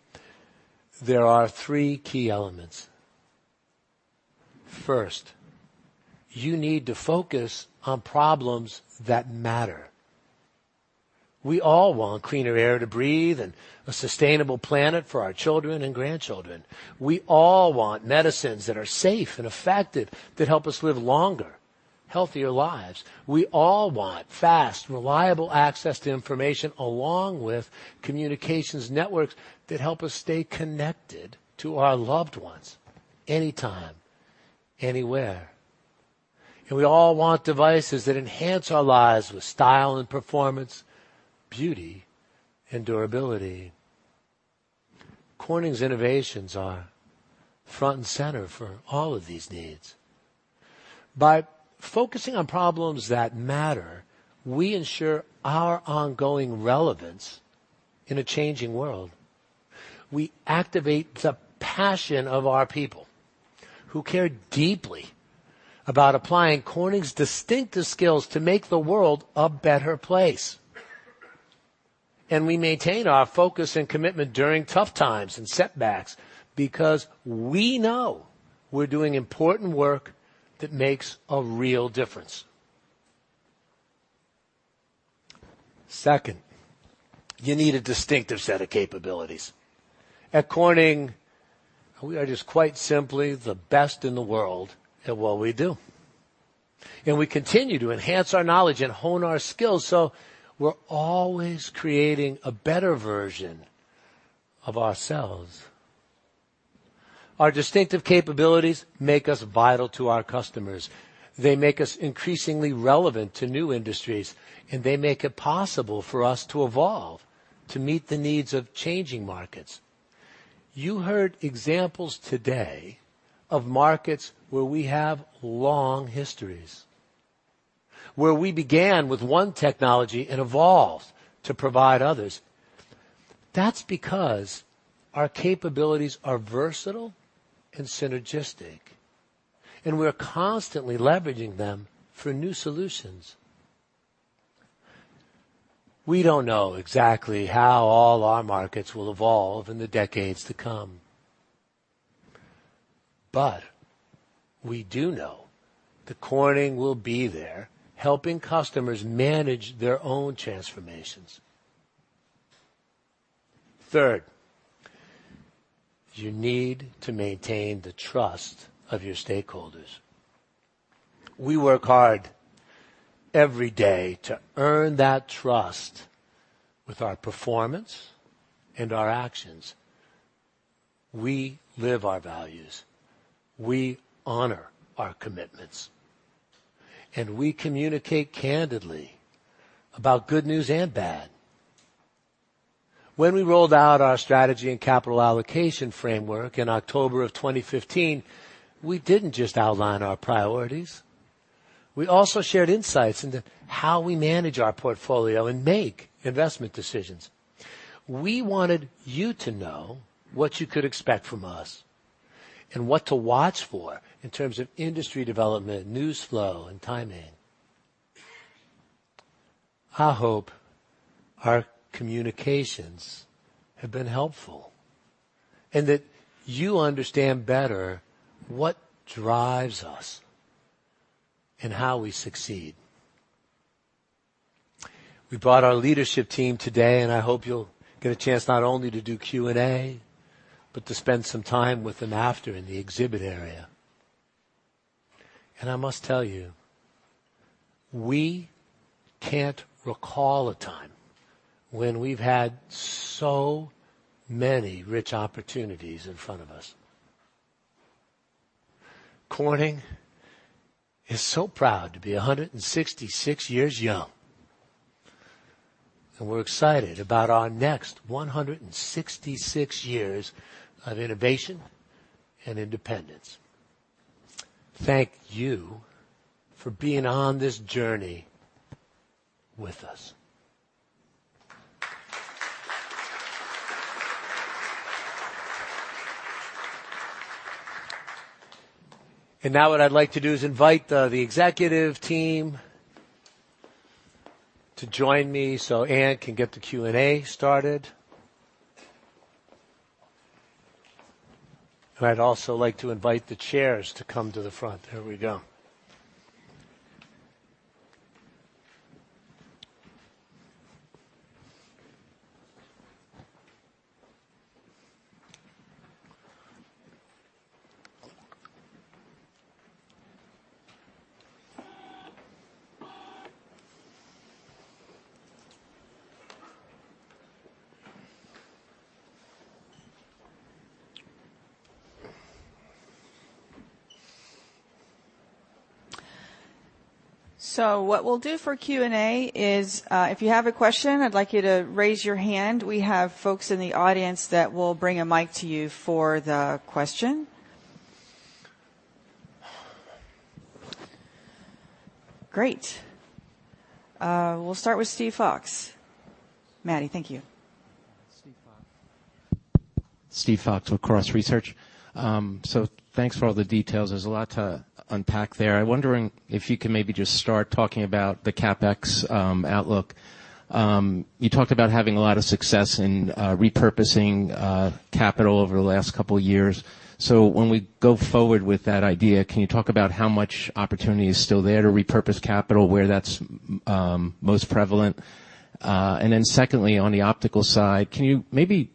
there are three key elements. First, you need to focus on problems that matter. We all want cleaner air to breathe and a sustainable planet for our children and grandchildren. We all want medicines that are safe and effective that help us live longer, healthier lives. We all want fast, reliable access to information along with communications networks that help us stay connected to our loved ones anytime, anywhere. We all want devices that enhance our lives with style and performance, beauty and durability. Corning's innovations are front and center for all of these needs. By focusing on problems that matter, we ensure our ongoing relevance in a changing world. We activate the passion of our people who care deeply about applying Corning's distinctive skills to make the world a better place. We maintain our focus and commitment during tough times and setbacks because we know we're doing important work that makes a real difference. Second, you need a distinctive set of capabilities. At Corning, we are just quite simply the best in the world at what we do, and we continue to enhance our knowledge and hone our skills so we're always creating a better version of ourselves. Our distinctive capabilities make us vital to our customers. They make us increasingly relevant to new industries, and they make it possible for us to evolve to meet the needs of changing markets. You heard examples today of markets where we have long histories, where we began with one technology and evolved to provide others. That's because our capabilities are versatile and synergistic, and we're constantly leveraging them for new solutions. We don't know exactly how all our markets will evolve in the decades to come. We do know that Corning will be there helping customers manage their own transformations. Third, you need to maintain the trust of your stakeholders. We work hard every day to earn that trust with our performance and our actions. We live our values. We honor our commitments, and we communicate candidly about good news and bad. When we rolled out our strategy and capital allocation framework in October of 2015, we didn't just outline our priorities. We also shared insights into how we manage our portfolio and make investment decisions. We wanted you to know what you could expect from us and what to watch for in terms of industry development, news flow, and timing. I hope our communications have been helpful and that you understand better what drives us and how we succeed. We brought our leadership team today, and I hope you'll get a chance not only to do Q&A, but to spend some time with them after in the exhibit area. I must tell you, we can't recall a time when we've had so many rich opportunities in front of us. Corning is so proud to be 166 years young, and we're excited about our next 166 years of innovation and independence. Thank you for being on this journey with us. Now what I'd like to do is invite the executive team to join me so Ann can get the Q&A started. I'd also like to invite the chairs to come to the front. There we go. What we'll do for Q&A is, if you have a question, I'd like you to raise your hand. We have folks in the audience that will bring a mic to you for the question. Great. We'll start with Steven Fox. Maddy, thank you. Steven Fox. Steven Fox with Cross Research. Thanks for all the details. There's a lot to unpack there. I'm wondering if you can maybe just start talking about the CapEx outlook. You talked about having a lot of success in repurposing capital over the last couple of years. When we go forward with that idea, can you talk about how much opportunity is still there to repurpose capital where that's most prevalent? Then secondly, on the optical side, can you maybe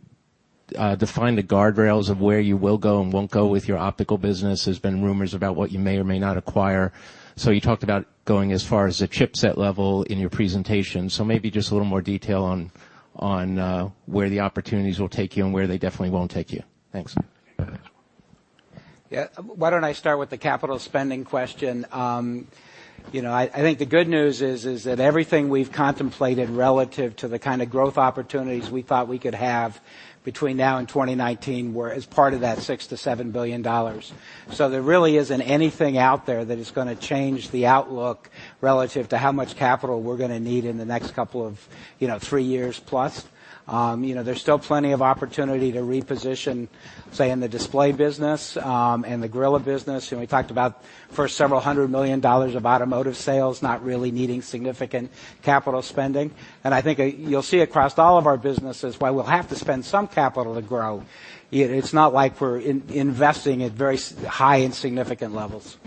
define the guardrails of where you will go and won't go with your optical business? There's been rumors about what you may or may not acquire. You talked about going as far as the chipset level in your presentation. Maybe just a little more detail on where the opportunities will take you and where they definitely won't take you. Thanks. Yeah. Why don't I start with the capital spending question? I think the good news is that everything we've contemplated relative to the kind of growth opportunities we thought we could have between now and 2019 were as part of that $6 billion-$7 billion. There really isn't anything out there that is going to change the outlook relative to how much capital we're going to need in the next couple of three years plus. There's still plenty of opportunity to reposition, say, in the display business and the Gorilla business. We talked about the first several hundred million dollars of automotive sales not really needing significant capital spending. I think you'll see across all of our businesses while we'll have to spend some capital to grow, it's not like we're investing at very high and significant levels.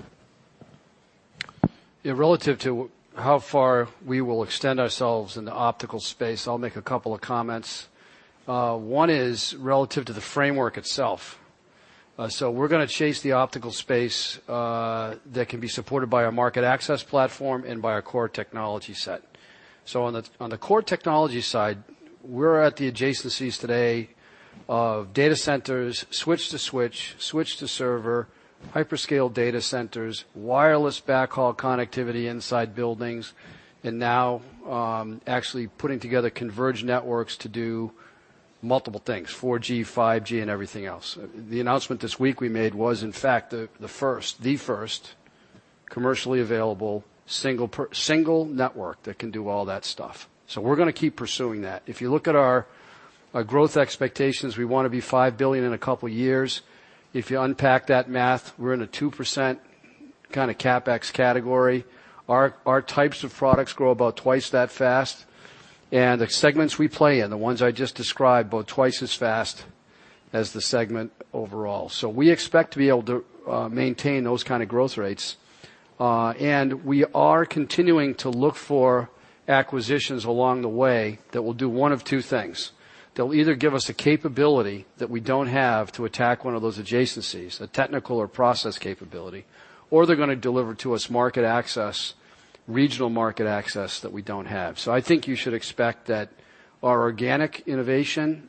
Yeah. Relative to how far we will extend ourselves in the optical space, I'll make a couple of comments. One is relative to the framework itself. We're going to chase the optical space that can be supported by our market access platform and by our core technology set. On the core technology side, we're at the adjacencies today of data centers, switch to switch to server, hyperscale data centers, wireless backhaul connectivity inside buildings, and now actually putting together converged networks to do multiple things, 4G, 5G, and everything else. The announcement this week we made was in fact the first commercially available single network that can do all that stuff. We're going to keep pursuing that. If you look at our growth expectations, we want to be $5 billion in a couple of years. If you unpack that math, we're in a 2% kind of CapEx category. Our types of products grow about twice that fast, and the segments we play in, the ones I just described, grow twice as fast as the segment overall. We expect to be able to maintain those kind of growth rates. We are continuing to look for acquisitions along the way that will do one of two things. They'll either give us a capability that we don't have to attack one of those adjacencies, a technical or process capability, or they're going to deliver to us market access, regional market access that we don't have. I think you should expect that our organic innovation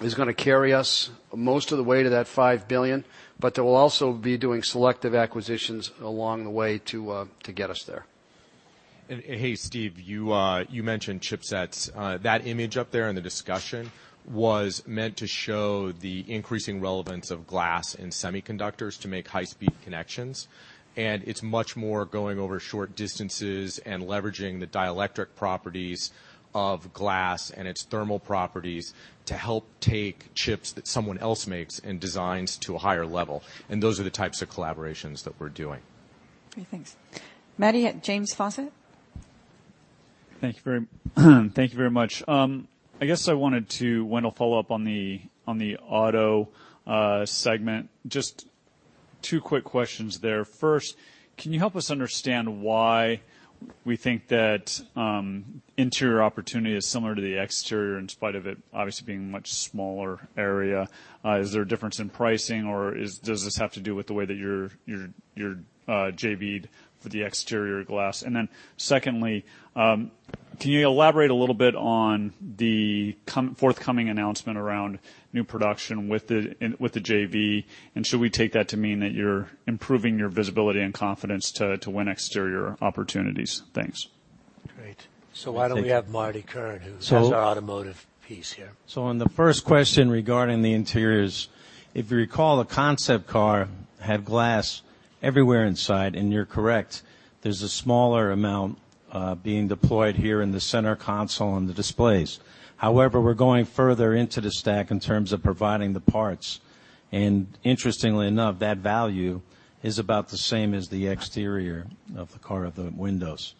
is going to carry us most of the way to that $5 billion, but that we'll also be doing selective acquisitions along the way to get us there. Hey, Steve, you mentioned chipsets. That image up there in the discussion was meant to show the increasing relevance of glass in semiconductors to make high-speed connections. It's much more going over short distances and leveraging the dielectric properties of glass and its thermal properties to help take chips that someone else makes and designs to a higher level. Those are the types of collaborations that we're doing. Okay, thanks. Maddy at James Faucette. Thank you very much. I guess I wanted to, Wendell, follow up on the auto segment. Just two quick questions there. First, can you help us understand why we think that interior opportunity is similar to the exterior in spite of it obviously being a much smaller area? Is there a difference in pricing or does this have to do with the way that you're JV'd for the exterior glass? Secondly, can you elaborate a little bit on the forthcoming announcement around new production with the JV, and should we take that to mean that you're improving your visibility and confidence to win exterior opportunities? Thanks. Great. Why don't we have Marty Curran, who has our automotive piece here. On the first question regarding the interiors, if you recall, the concept car had glass everywhere inside, and you're correct, there's a smaller amount being deployed here in the center console on the displays. However, we're going further into the stack in terms of providing the parts. Interestingly enough, that value is about the same as the exterior of the car, of the windows.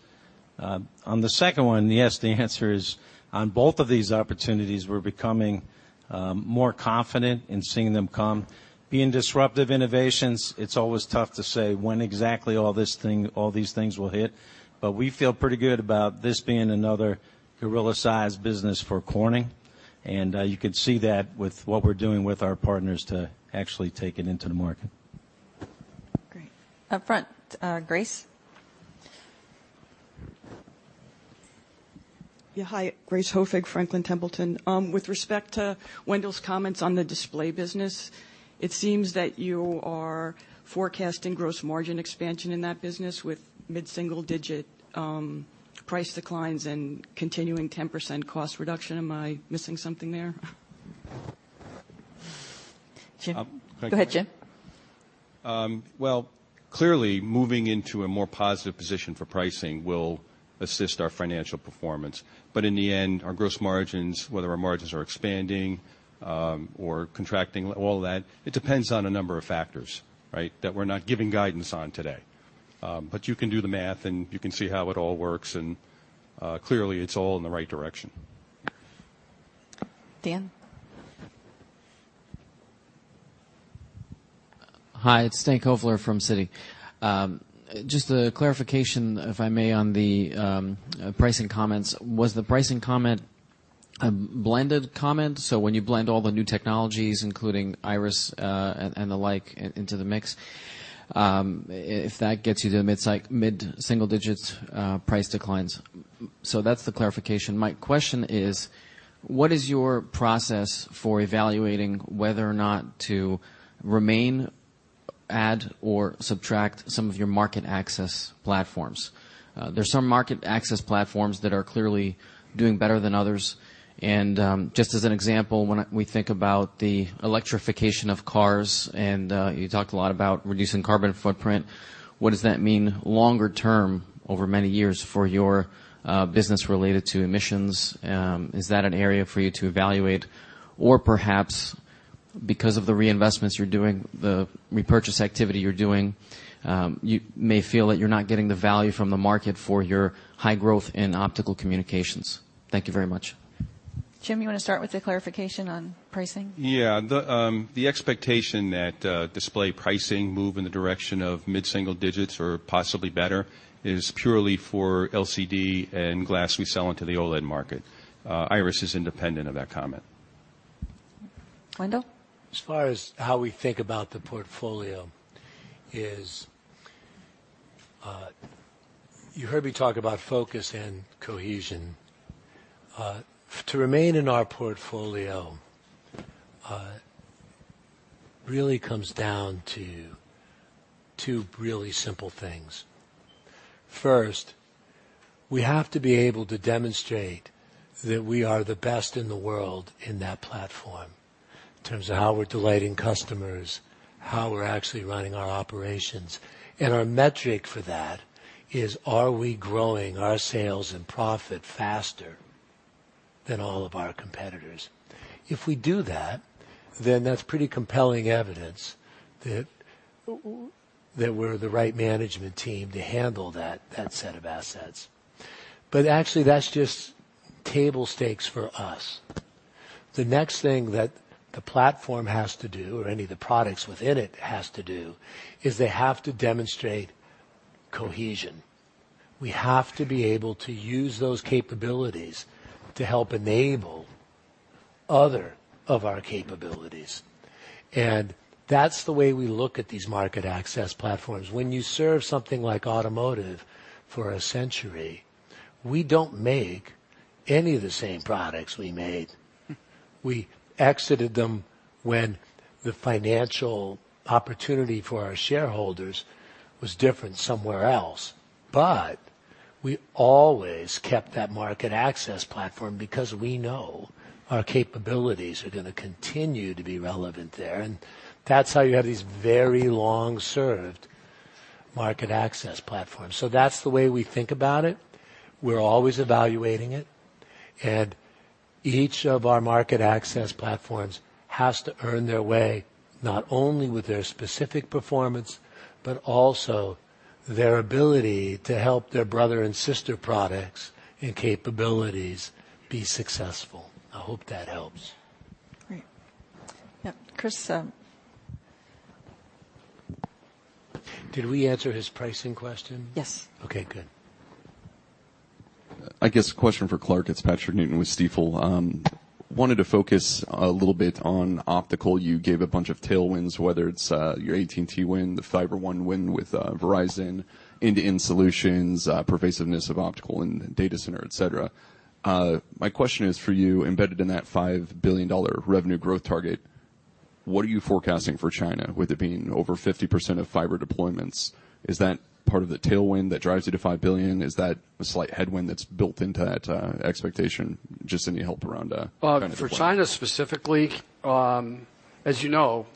On the second one, yes, the answer is on both of these opportunities, we're becoming more confident in seeing them come. Being disruptive innovations, it's always tough to say when exactly all these things will hit. We feel pretty good about this being another Gorilla-sized business for Corning, and you can see that with what we're doing with our partners to actually take it into the market. Great. Up front. Grace. Yeah, hi. Grace Hoefig, Franklin Templeton. With respect to Wendell's comments on the display business, it seems that you are forecasting gross margin expansion in that business with mid-single digit price declines and continuing 10% cost reduction. Am I missing something there? Jim. Go ahead, Jim. Well, clearly, moving into a more positive position for pricing will assist our financial performance. In the end, our gross margins, whether our margins are expanding or contracting, all that, it depends on a number of factors, right, that we're not giving guidance on today. You can do the math, and you can see how it all works, and clearly, it's all in the right direction. Dan. Hi, it's Dan Covello from Citi. Just a clarification, if I may, on the pricing comments. Was the pricing comment a blended comment? When you blend all the new technologies, including Iris and the like into the mix, if that gets you to the mid-single digits price declines. That's the clarification. My question is, what is your process for evaluating whether or not to remain, add, or subtract some of your market access platforms? There's some market access platforms that are clearly doing better than others. Just as an example, when we think about the electrification of cars, and you talked a lot about reducing carbon footprint, what does that mean longer term over many years for your business related to emissions? Is that an area for you to evaluate? Perhaps because of the reinvestments you're doing, the repurchase activity you're doing, you may feel that you're not getting the value from the market for your high growth in optical communications. Thank you very much. Jim, you want to start with the clarification on pricing? The expectation that display pricing move in the direction of mid-single digits or possibly better is purely for LCD and glass we sell into the OLED market. Iris is independent of that comment. Wendell. As far as how we think about the portfolio is, you heard me talk about focus and cohesion. To remain in our portfolio really comes down to two really simple things. First, we have to be able to demonstrate that we are the best in the world in that platform in terms of how we're delighting customers, how we're actually running our operations. Our metric for that is, are we growing our sales and profit faster Than all of our competitors. If we do that, then that's pretty compelling evidence that we're the right management team to handle that set of assets. Actually, that's just table stakes for us. The next thing that the platform has to do, or any of the products within it has to do, is they have to demonstrate cohesion. We have to be able to use those capabilities to help enable other of our capabilities. That's the way we look at these market access platforms. When you serve something like automotive for a century, we don't make any of the same products we made. We exited them when the financial opportunity for our shareholders was different somewhere else. We always kept that market access platform because we know our capabilities are going to continue to be relevant there, and that's how you have these very long-served market access platforms. That's the way we think about it. We're always evaluating it, and each of our market access platforms has to earn their way, not only with their specific performance, but also their ability to help their brother and sister products and capabilities be successful. I hope that helps. Great. Yep, Chris. Did we answer his pricing question? Yes. Okay, good. I guess question for Clark. It's Patrick Newton with Stifel. Wanted to focus a little bit on optical. You gave a bunch of tailwinds, whether it's your AT&T win, the One Fiber win with Verizon, end-to-end solutions, pervasiveness of optical and data center, et cetera. My question is for you, embedded in that $5 billion revenue growth target, what are you forecasting for China, with it being over 50% of fiber deployments? Is that part of the tailwind that drives you to $5 billion? Is that a slight headwind that's built into that expectation? Just any help around that. For China specifically, as you know,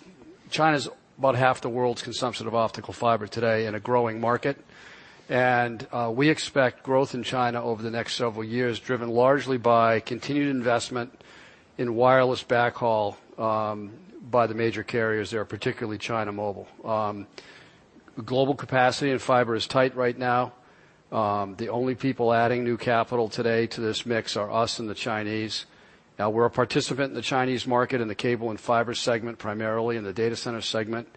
China's about half the world's consumption of optical fiber today, in a growing market. We expect growth in China over the next several years, driven largely by continued investment in wireless backhaul by the major carriers there, particularly China Mobile. Global capacity and fiber is tight right now. The only people adding new capital today to this mix are us and the Chinese. We're a participant in the Chinese market, in the cable and fiber segment, primarily in the data center segment.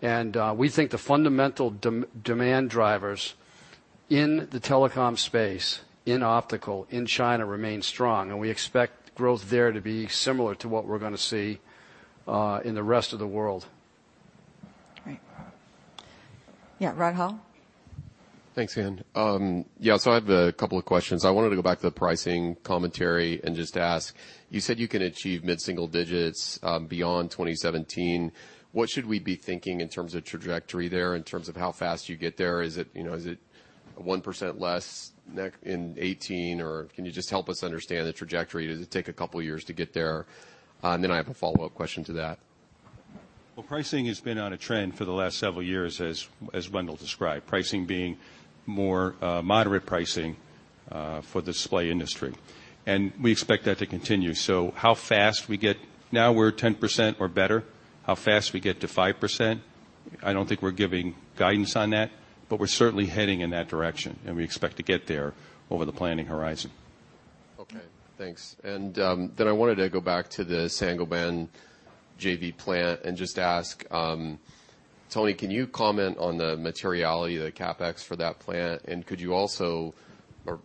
We think the fundamental demand drivers in the telecom space, in optical, in China, remain strong, and we expect growth there to be similar to what we're going to see in the rest of the world. Great. Yeah, [Rod Hall]? Thanks, Ann. I have a couple of questions. I wanted to go back to the pricing commentary and just ask, you said you can achieve mid-single digits beyond 2017. What should we be thinking in terms of trajectory there, in terms of how fast you get there? Is it 1% less in 2018? Can you just help us understand the trajectory? Does it take a couple of years to get there? I have a follow-up question to that. Well, pricing has been on a trend for the last several years, as Wendell described, pricing being more moderate pricing for the display industry, and we expect that to continue. Now we're 10% or better. How fast we get to 5%, I don't think we're giving guidance on that, but we're certainly heading in that direction, and we expect to get there over the planning horizon. Okay, thanks. I wanted to go back to the Saint-Gobain JV plant and just ask, Tony, can you comment on the materiality of the CapEx for that plant? Could you also, or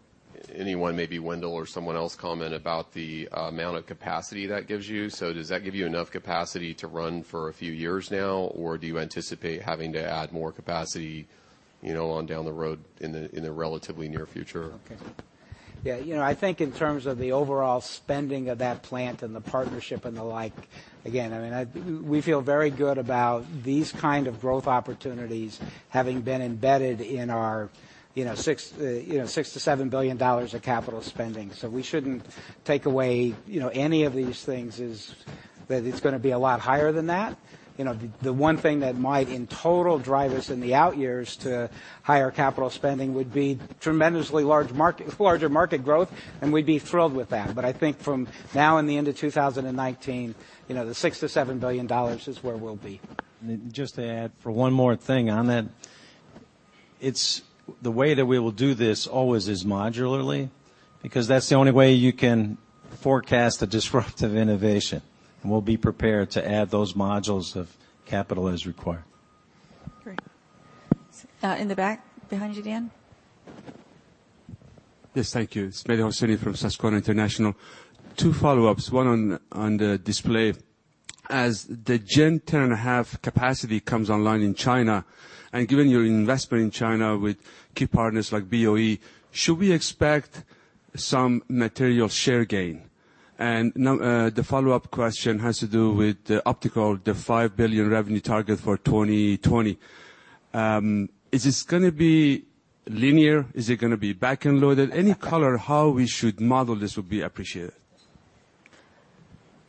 anyone, maybe Wendell or someone else, comment about the amount of capacity that gives you? Does that give you enough capacity to run for a few years now, or do you anticipate having to add more capacity on down the road in the relatively near future? I think in terms of the overall spending of that plant and the partnership and the like, again, we feel very good about these kind of growth opportunities having been embedded in our $6 billion-$7 billion of capital spending. We shouldn't take away any of these things as that it's going to be a lot higher than that. The one thing that might in total drive us in the out years to higher capital spending would be tremendously larger market growth, and we'd be thrilled with that. I think from now and the end of 2019, the $6 billion-$7 billion is where we'll be. Just to add for one more thing on that, the way that we will do this always is modularly, because that's the only way you can forecast a disruptive innovation, and we'll be prepared to add those modules of capital as required. Great. In the back, behind you, Dan. Yes, thank you. It's Mehdi Hosseini from Susquehanna International. Two follow-ups, one on the display. As the Gen 10.5 capacity comes online in China, and given your investment in China with key partners like BOE, should we expect some material share gain? The follow-up question has to do with the optical, the $5 billion revenue target for 2020. Is this going to be linear? Is it going to be back-end loaded? Any color how we should model this would be appreciated.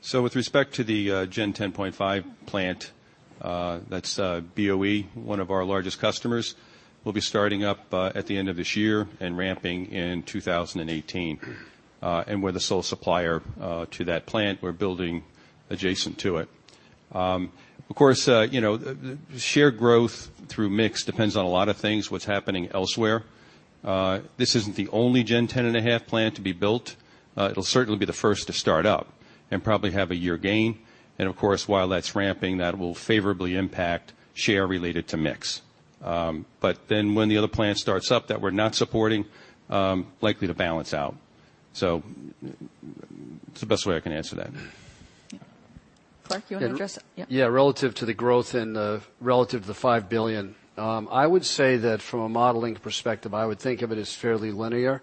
So with respect to the Gen 10.5 plant, that's BOE, one of our largest customers, will be starting up at the end of this year and ramping in 2018. We're the sole supplier to that plant. We're building adjacent to it. Of course, share growth through mix depends on a lot of things, what's happening elsewhere. This isn't the only Gen 10.5 plant to be built. It'll certainly be the first to start up and probably have a year gain. Of course, while that's ramping, that will favorably impact share related to mix. When the other plant starts up that we're not supporting, likely to balance out. So that's the best way I can answer that. Clark, you want to address it? Relative to the growth and relative to the $5 billion, I would say that from a modeling perspective, I would think of it as fairly linear.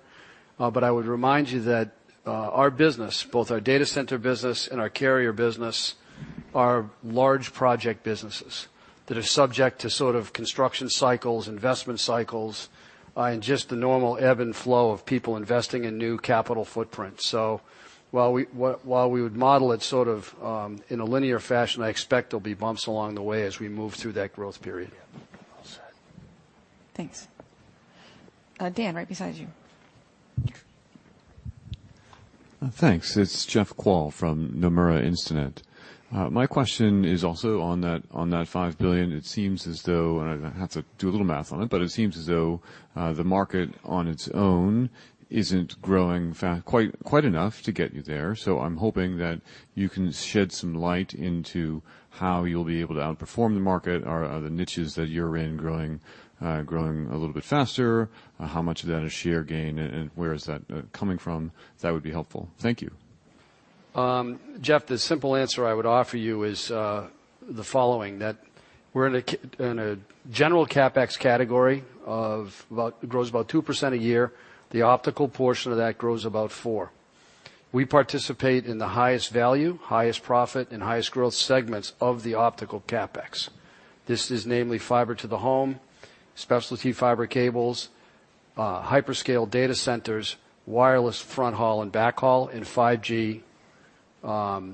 I would remind you that our business, both our data center business and our carrier business, are large project businesses that are subject to sort of construction cycles, investment cycles, and just the normal ebb and flow of people investing in new capital footprints. While we would model it sort of in a linear fashion, I expect there'll be bumps along the way as we move through that growth period. Thanks. Dan, right beside you. Thanks. It's Jeff Kvaal from Nomura Instinet. My question is also on that $5 billion. It seems as though, and I'm going to have to do a little math on it, but it seems as though, the market on its own isn't growing quite enough to get you there. I'm hoping that you can shed some light into how you'll be able to outperform the market. Are the niches that you're in growing a little bit faster? How much of that is share gain, and where is that coming from? That would be helpful. Thank you. Jeff, the simple answer I would offer you is the following, that we're in a general CapEx category that grows about 2% a year. The optical portion of that grows about 4%. We participate in the highest value, highest profit, and highest growth segments of the optical CapEx. This is namely fiber to the home, specialty fiber cables, hyperscale data centers, wireless front haul and back haul, and 5G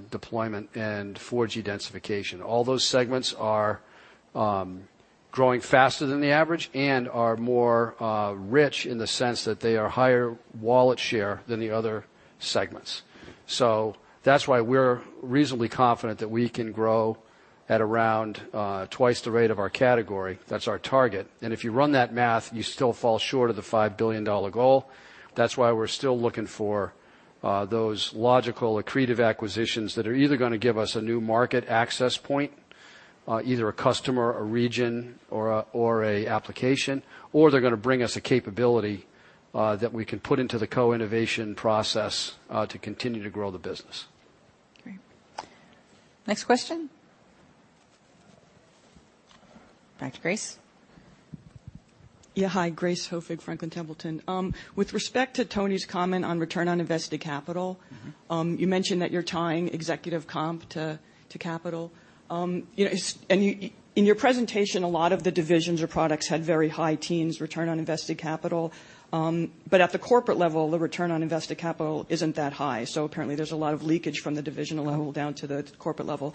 deployment and 4G densification. All those segments are growing faster than the average and are more rich in the sense that they are higher wallet share than the other segments. That's why we're reasonably confident that we can grow at around twice the rate of our category. That's our target. If you run that math, you still fall short of the $5 billion goal. That's why we're still looking for those logical accretive acquisitions that are either going to give us a new market access point, either a customer, a region, or an application, or they're going to bring us a capability that we can put into the co-innovation process to continue to grow the business. Great. Next question. Back to Grace. Yeah, hi. Grace Hoefig, Franklin Templeton. With respect to Tony's comment on return on invested capital. You mentioned that you're tying executive comp to capital. In your presentation, a lot of the divisions or products had very high teens return on invested capital. At the corporate level, the return on invested capital isn't that high. Apparently, there's a lot of leakage from the divisional level down to the corporate level.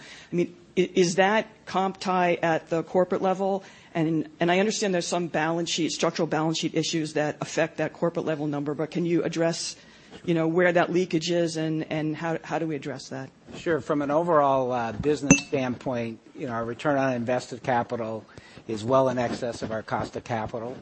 Is that comp tie at the corporate level? I understand there's some structural balance sheet issues that affect that corporate level number, but can you address where that leakage is, and how do we address that? Sure. From an overall business standpoint, our return on invested capital is well in excess of our cost of capital.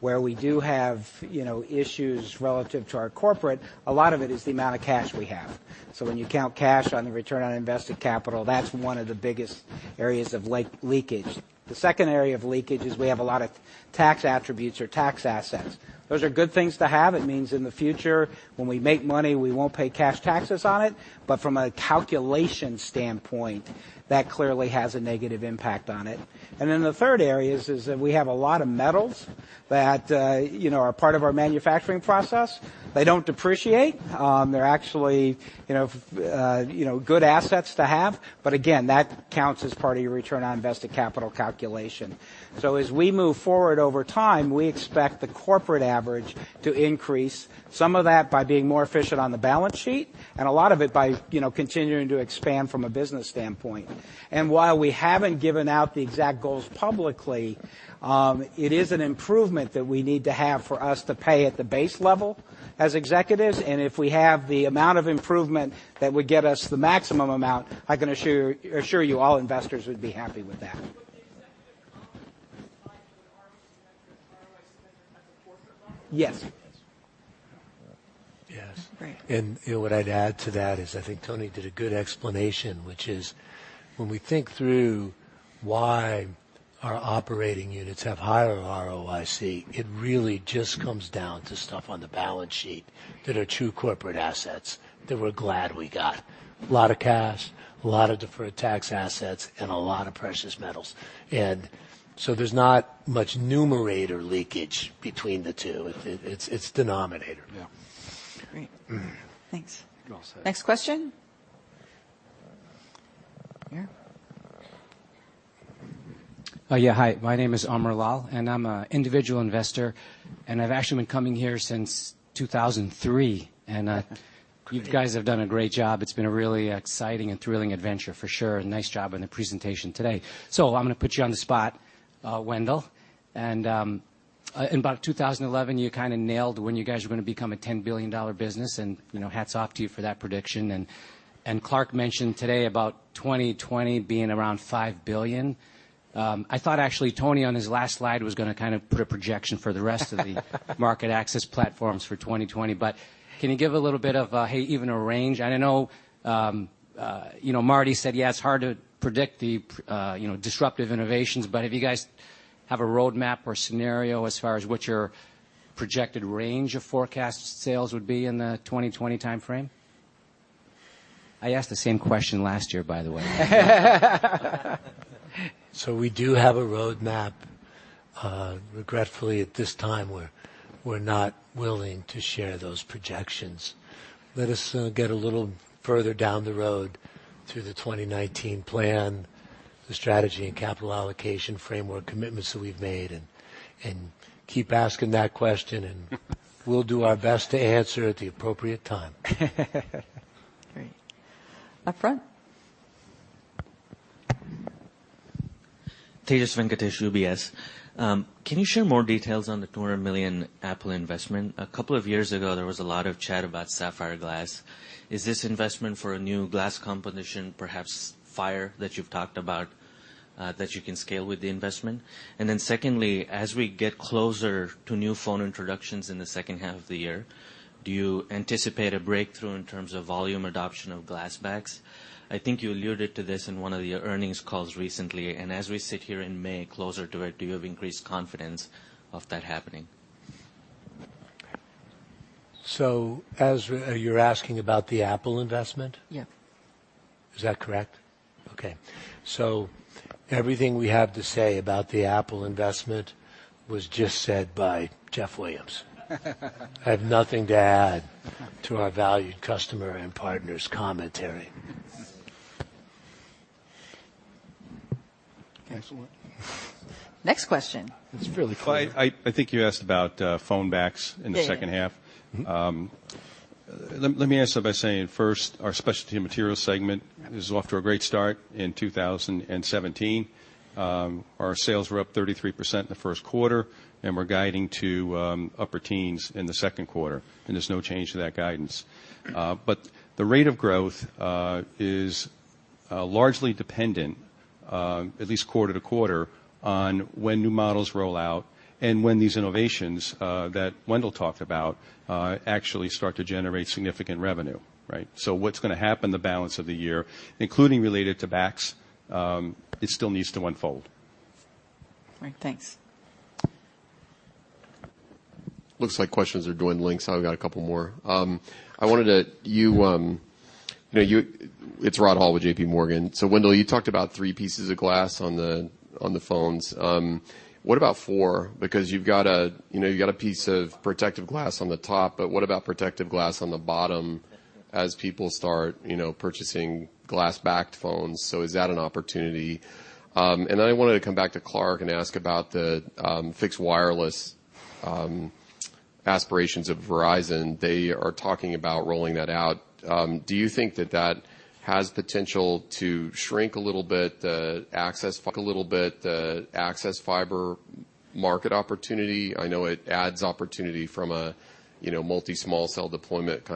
Where we do have issues relative to our corporate, a lot of it is the amount of cash we have. When you count cash on the return on invested capital, that's one of the biggest areas of leakage. The second area of leakage is we have a lot of tax attributes or tax assets. Those are good things to have. It means in the future, when we make money, we won't pay cash taxes on it. From a calculation standpoint, that clearly has a negative impact on it. Then the third area is that we have a lot of metals that are part of our manufacturing process. They don't depreciate. They're actually good assets to have. Again, that counts as part of your return on invested capital calculation. As we move forward over time, we expect the corporate average to increase, some of that by being more efficient on the balance sheet, and a lot of it by continuing to expand from a business standpoint. While we haven't given out the exact goals publicly, it is an improvement that we need to have for us to pay at the base level as executives, and if we have the amount of improvement that would get us the maximum amount, I can assure you all investors would be happy with that. Would the executive comp be tied to an ROIC metric at the corporate level? Yes. Yes. Great. What I'd add to that is, I think Tony did a good explanation, which is when we think through why our operating units have higher ROIC, it really just comes down to stuff on the balance sheet that are true corporate assets that we're glad we got. A lot of cash, a lot of deferred tax assets, and a lot of precious metals. So there's not much numerator leakage between the two. It's denominator. Yeah. Great. Thanks. You're all set. Next question. Here. Yeah. Hi, my name is Amar Lal, and I'm a individual investor, and I've actually been coming here since 2003. Great You guys have done a great job. It's been a really exciting and thrilling adventure, for sure. Nice job on the presentation today. I'm going to put you on the spot, Wendell. In about 2011, you kind of nailed when you guys were going to become a $10 billion business, and hats off to you for that prediction. Clark mentioned today about 2020 being around $5 billion. I thought actually Tony on his last slide was going to kind of put a projection for the rest of the market-access platforms for 2020. Can you give a little bit of, hey, even a range? I know Marty said, yeah, it's hard to predict the disruptive innovations, but if you guys have a roadmap or scenario as far as what your projected range of forecast sales would be in the 2020 timeframe? I asked the same question last year, by the way. We do have a roadmap. Regretfully, at this time, we're not willing to share those projections. Let us get a little further down the road through the 2019 plan, the strategy and capital allocation framework commitments that we've made, and keep asking that question, and we'll do our best to answer at the appropriate time. Great. Up front. Tejas Venkatesh, UBS. Can you share more details on the $200 million Apple investment? A couple of years ago, there was a lot of chat about sapphire glass. Is this investment for a new glass composition, perhaps Project Phire, that you've talked about, that you can scale with the investment? Secondly, as we get closer to new phone introductions in the second half of the year, do you anticipate a breakthrough in terms of volume adoption of glass backs? I think you alluded to this in one of your earnings calls recently. As we sit here in May, closer to it, do you have increased confidence of that happening? You're asking about the Apple investment? Yeah. Is that correct? Okay. Everything we have to say about the Apple investment was just said by Jeff Williams. I have nothing to add to our valued customer and partner's commentary. Excellent. Next question. It's really fun. I think you asked about phone backs in the second half. Yeah. Yeah. Let me answer by saying first, our Specialty Materials segment is off to a great start in 2017. Our sales were up 33% in the first quarter, and we're guiding to upper teens in the second quarter, and there's no change to that guidance. The rate of growth is largely dependent, at least quarter to quarter, on when new models roll out and when these innovations, that Wendell talked about, actually start to generate significant revenue. Right? What's going to happen the balance of the year, including related to backs, it still needs to unfold. All right. Thanks. Looks like questions are going long. I've got a couple more. It's Rod Hall with JPMorgan. Wendell, you talked about three pieces of glass on the phones. What about four? You've got a piece of protective glass on the top, but what about protective glass on the bottom as people start purchasing glass-backed phones. Is that an opportunity? I wanted to come back to Clark and ask about the fixed wireless aspirations of Verizon. They are talking about rolling that out. Do you think that that has potential to shrink a little bit the access fiber market opportunity? I know it adds opportunity from a multi small cell deployment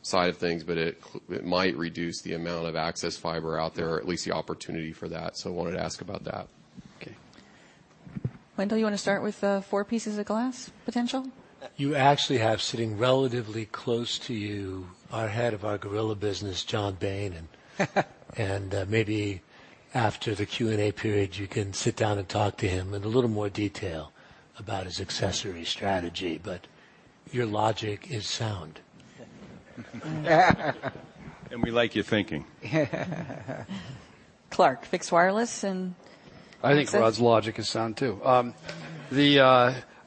side of things, it might reduce the amount of access fiber out there, or at least the opportunity for that. I wanted to ask about that. Okay. Wendell, you want to start with the four pieces of glass potential? You actually have sitting relatively close to you our head of our Gorilla business, John Bayne. Maybe after the Q&A period, you can sit down and talk to him in a little more detail about his accessory strategy. Your logic is sound. We like your thinking. Clark, fixed wireless and access? I think Rod's logic is sound, too.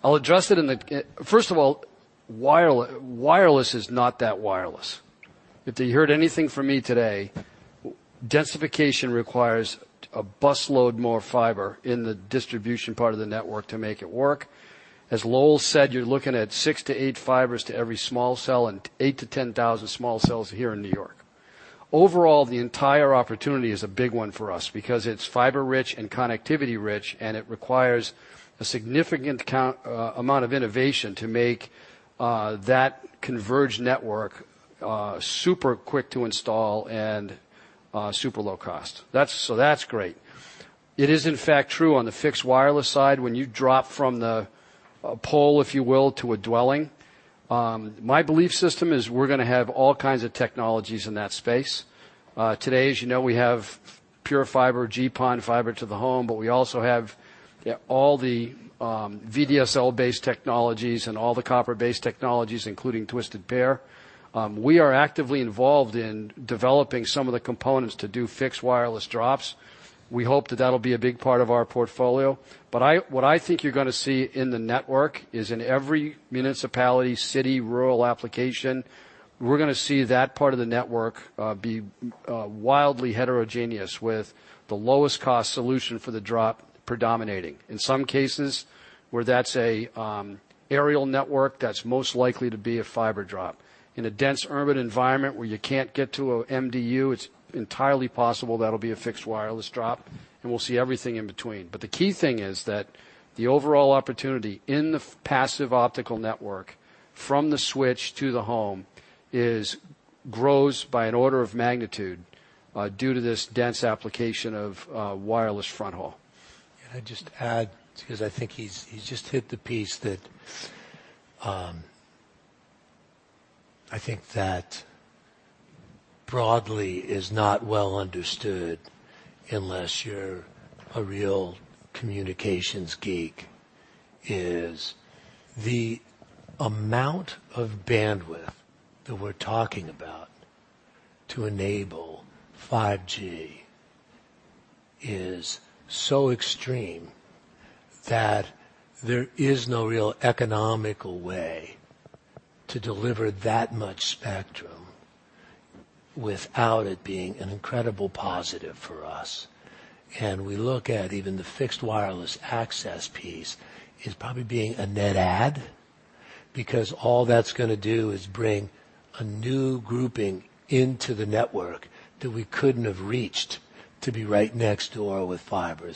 First of all, wireless is not that wireless. If you heard anything from me today, densification requires a busload more fiber in the distribution part of the network to make it work. As Lowell said, you're looking at 6 to 8 fibers to every small cell and 8,000 to 10,000 small cells here in New York. Overall, the entire opportunity is a big one for us because it's fiber rich and connectivity rich, and it requires a significant amount of innovation to make that converged network super quick to install and super low cost. That's great. It is in fact true on the fixed wireless side, when you drop from the pole, if you will, to a dwelling, my belief system is we're going to have all kinds of technologies in that space. Today, as you know, we have Pure fiber, GPON fiber to the home, but we also have all the VDSL-based technologies and all the copper-based technologies, including twisted pair. We are actively involved in developing some of the components to do fixed wireless drops. We hope that that'll be a big part of our portfolio. What I think you're going to see in the network is in every municipality, city, rural application, we're going to see that part of the network be wildly heterogeneous, with the lowest cost solution for the drop predominating. In some cases, where that's an aerial network, that's most likely to be a fiber drop. In a dense urban environment where you can't get to an MDU, it's entirely possible that'll be a fixed wireless drop, and we'll see everything in between. The key thing is that the overall opportunity in the passive optical network from the switch to the home grows by an order of magnitude due to this dense application of wireless front haul. Can I just add, because I think he's just hit the piece that I think that broadly is not well understood, unless you're a real communications geek, is the amount of bandwidth that we're talking about to enable 5G is so extreme that there is no real economical way to deliver that much spectrum without it being an incredible positive for us. We look at even the fixed wireless access piece as probably being a net add, because all that's going to do is bring a new grouping into the network that we couldn't have reached to be right next door with fiber.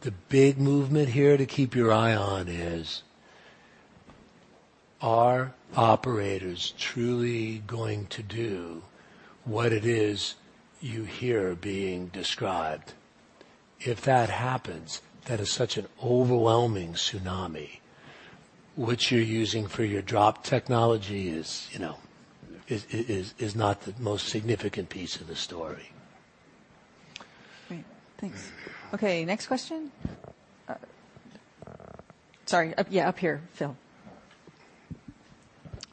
The big movement here to keep your eye on is, are operators truly going to do what it is you hear being described? If that happens, that is such an overwhelming tsunami. What you're using for your drop technology is not the most significant piece of the story. Great. Thanks. Okay. Next question. Sorry. Yeah, up here. Phil.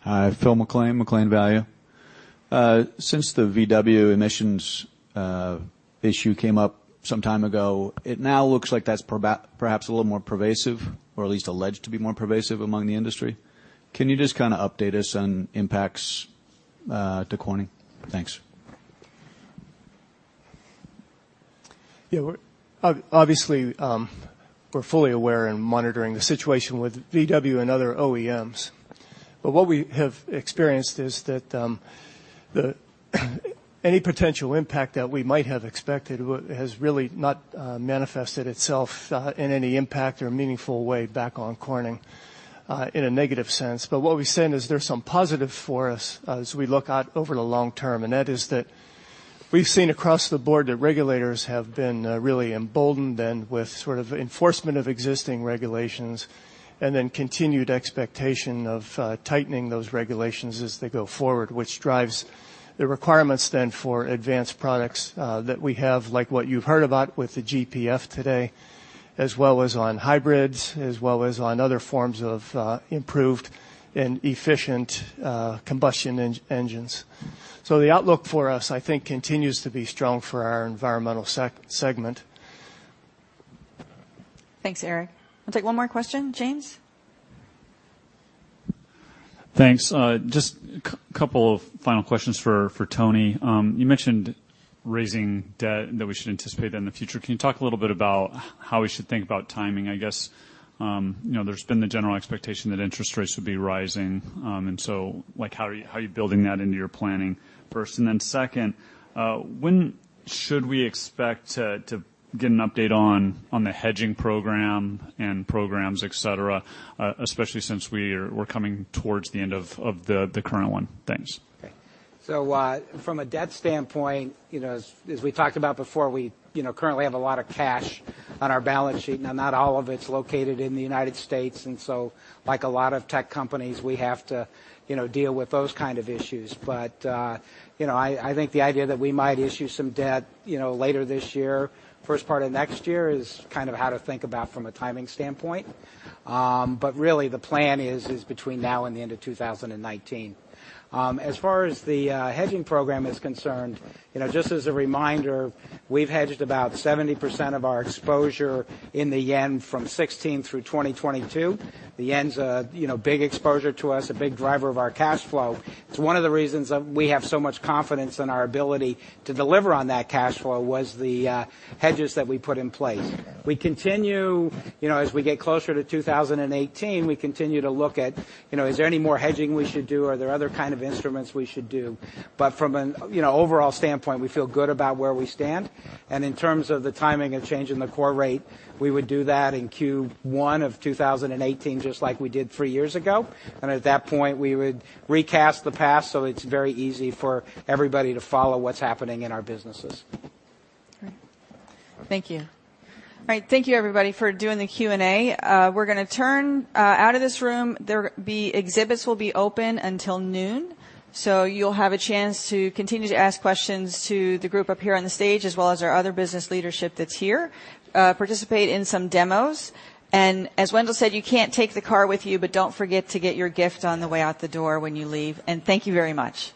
Hi. Phil McClain, McClain Value. Since the VW emissions issue came up some time ago, it now looks like that's perhaps a little more pervasive, or at least alleged to be more pervasive among the industry. Can you just kind of update us on impacts to Corning? Thanks. Yeah. Obviously, we're fully aware and monitoring the situation with Volkswagen and other OEMs. What we have experienced is that any potential impact that we might have expected has really not manifested itself in any impact or meaningful way back on Corning in a negative sense. What we've seen is there's some positive for us as we look out over the long term, and that is that we've seen across the board that regulators have been really emboldened then with sort of enforcement of existing regulations, and then continued expectation of tightening those regulations as they go forward, which drives the requirements then for advanced products that we have, like what you've heard about with the GPF today, as well as on hybrids, as well as on other forms of improved and efficient combustion engines. the outlook for us, I think, continues to be strong for our environmental segment. Thanks, [Curran]. I'll take one more question. James? Thanks. Just a couple of final questions for Tony. You mentioned raising debt, that we should anticipate that in the future. Can you talk a little bit about how we should think about timing? I guess there's been the general expectation that interest rates would be rising, how are you building that into your planning, first? When should we expect to get an update on the hedging program and programs, et cetera, especially since we're coming towards the end of the current one? Thanks. Okay. From a debt standpoint, as we talked about before, we currently have a lot of cash on our balance sheet. Now, not all of it's located in the United States, like a lot of tech companies, we have to deal with those kind of issues. I think the idea that we might issue some debt later this year, first part of next year, is kind of how to think about from a timing standpoint. Really, the plan is between now and the end of 2019. As far as the hedging program is concerned, just as a reminder, we've hedged about 70% of our exposure in the yen from 2016 through 2022. The yen's a big exposure to us, a big driver of our cash flow. It's one of the reasons we have so much confidence in our ability to deliver on that cash flow was the hedges that we put in place. As we get closer to 2018, we continue to look at, is there any more hedging we should do? Are there other kind of instruments we should do? From an overall standpoint, we feel good about where we stand. In terms of the timing of changing the core rate, we would do that in Q1 of 2018, just like we did three years ago. At that point, we would recast the past, so it's very easy for everybody to follow what's happening in our businesses. Great. Thank you. All right. Thank you everybody for doing the Q&A. We're going to turn out of this room. The exhibits will be open until noon, so you'll have a chance to continue to ask questions to the group up here on the stage, as well as our other business leadership that's here. Participate in some demos. As Wendell said, you can't take the car with you, but don't forget to get your gift on the way out the door when you leave. Thank you very much. Thanks.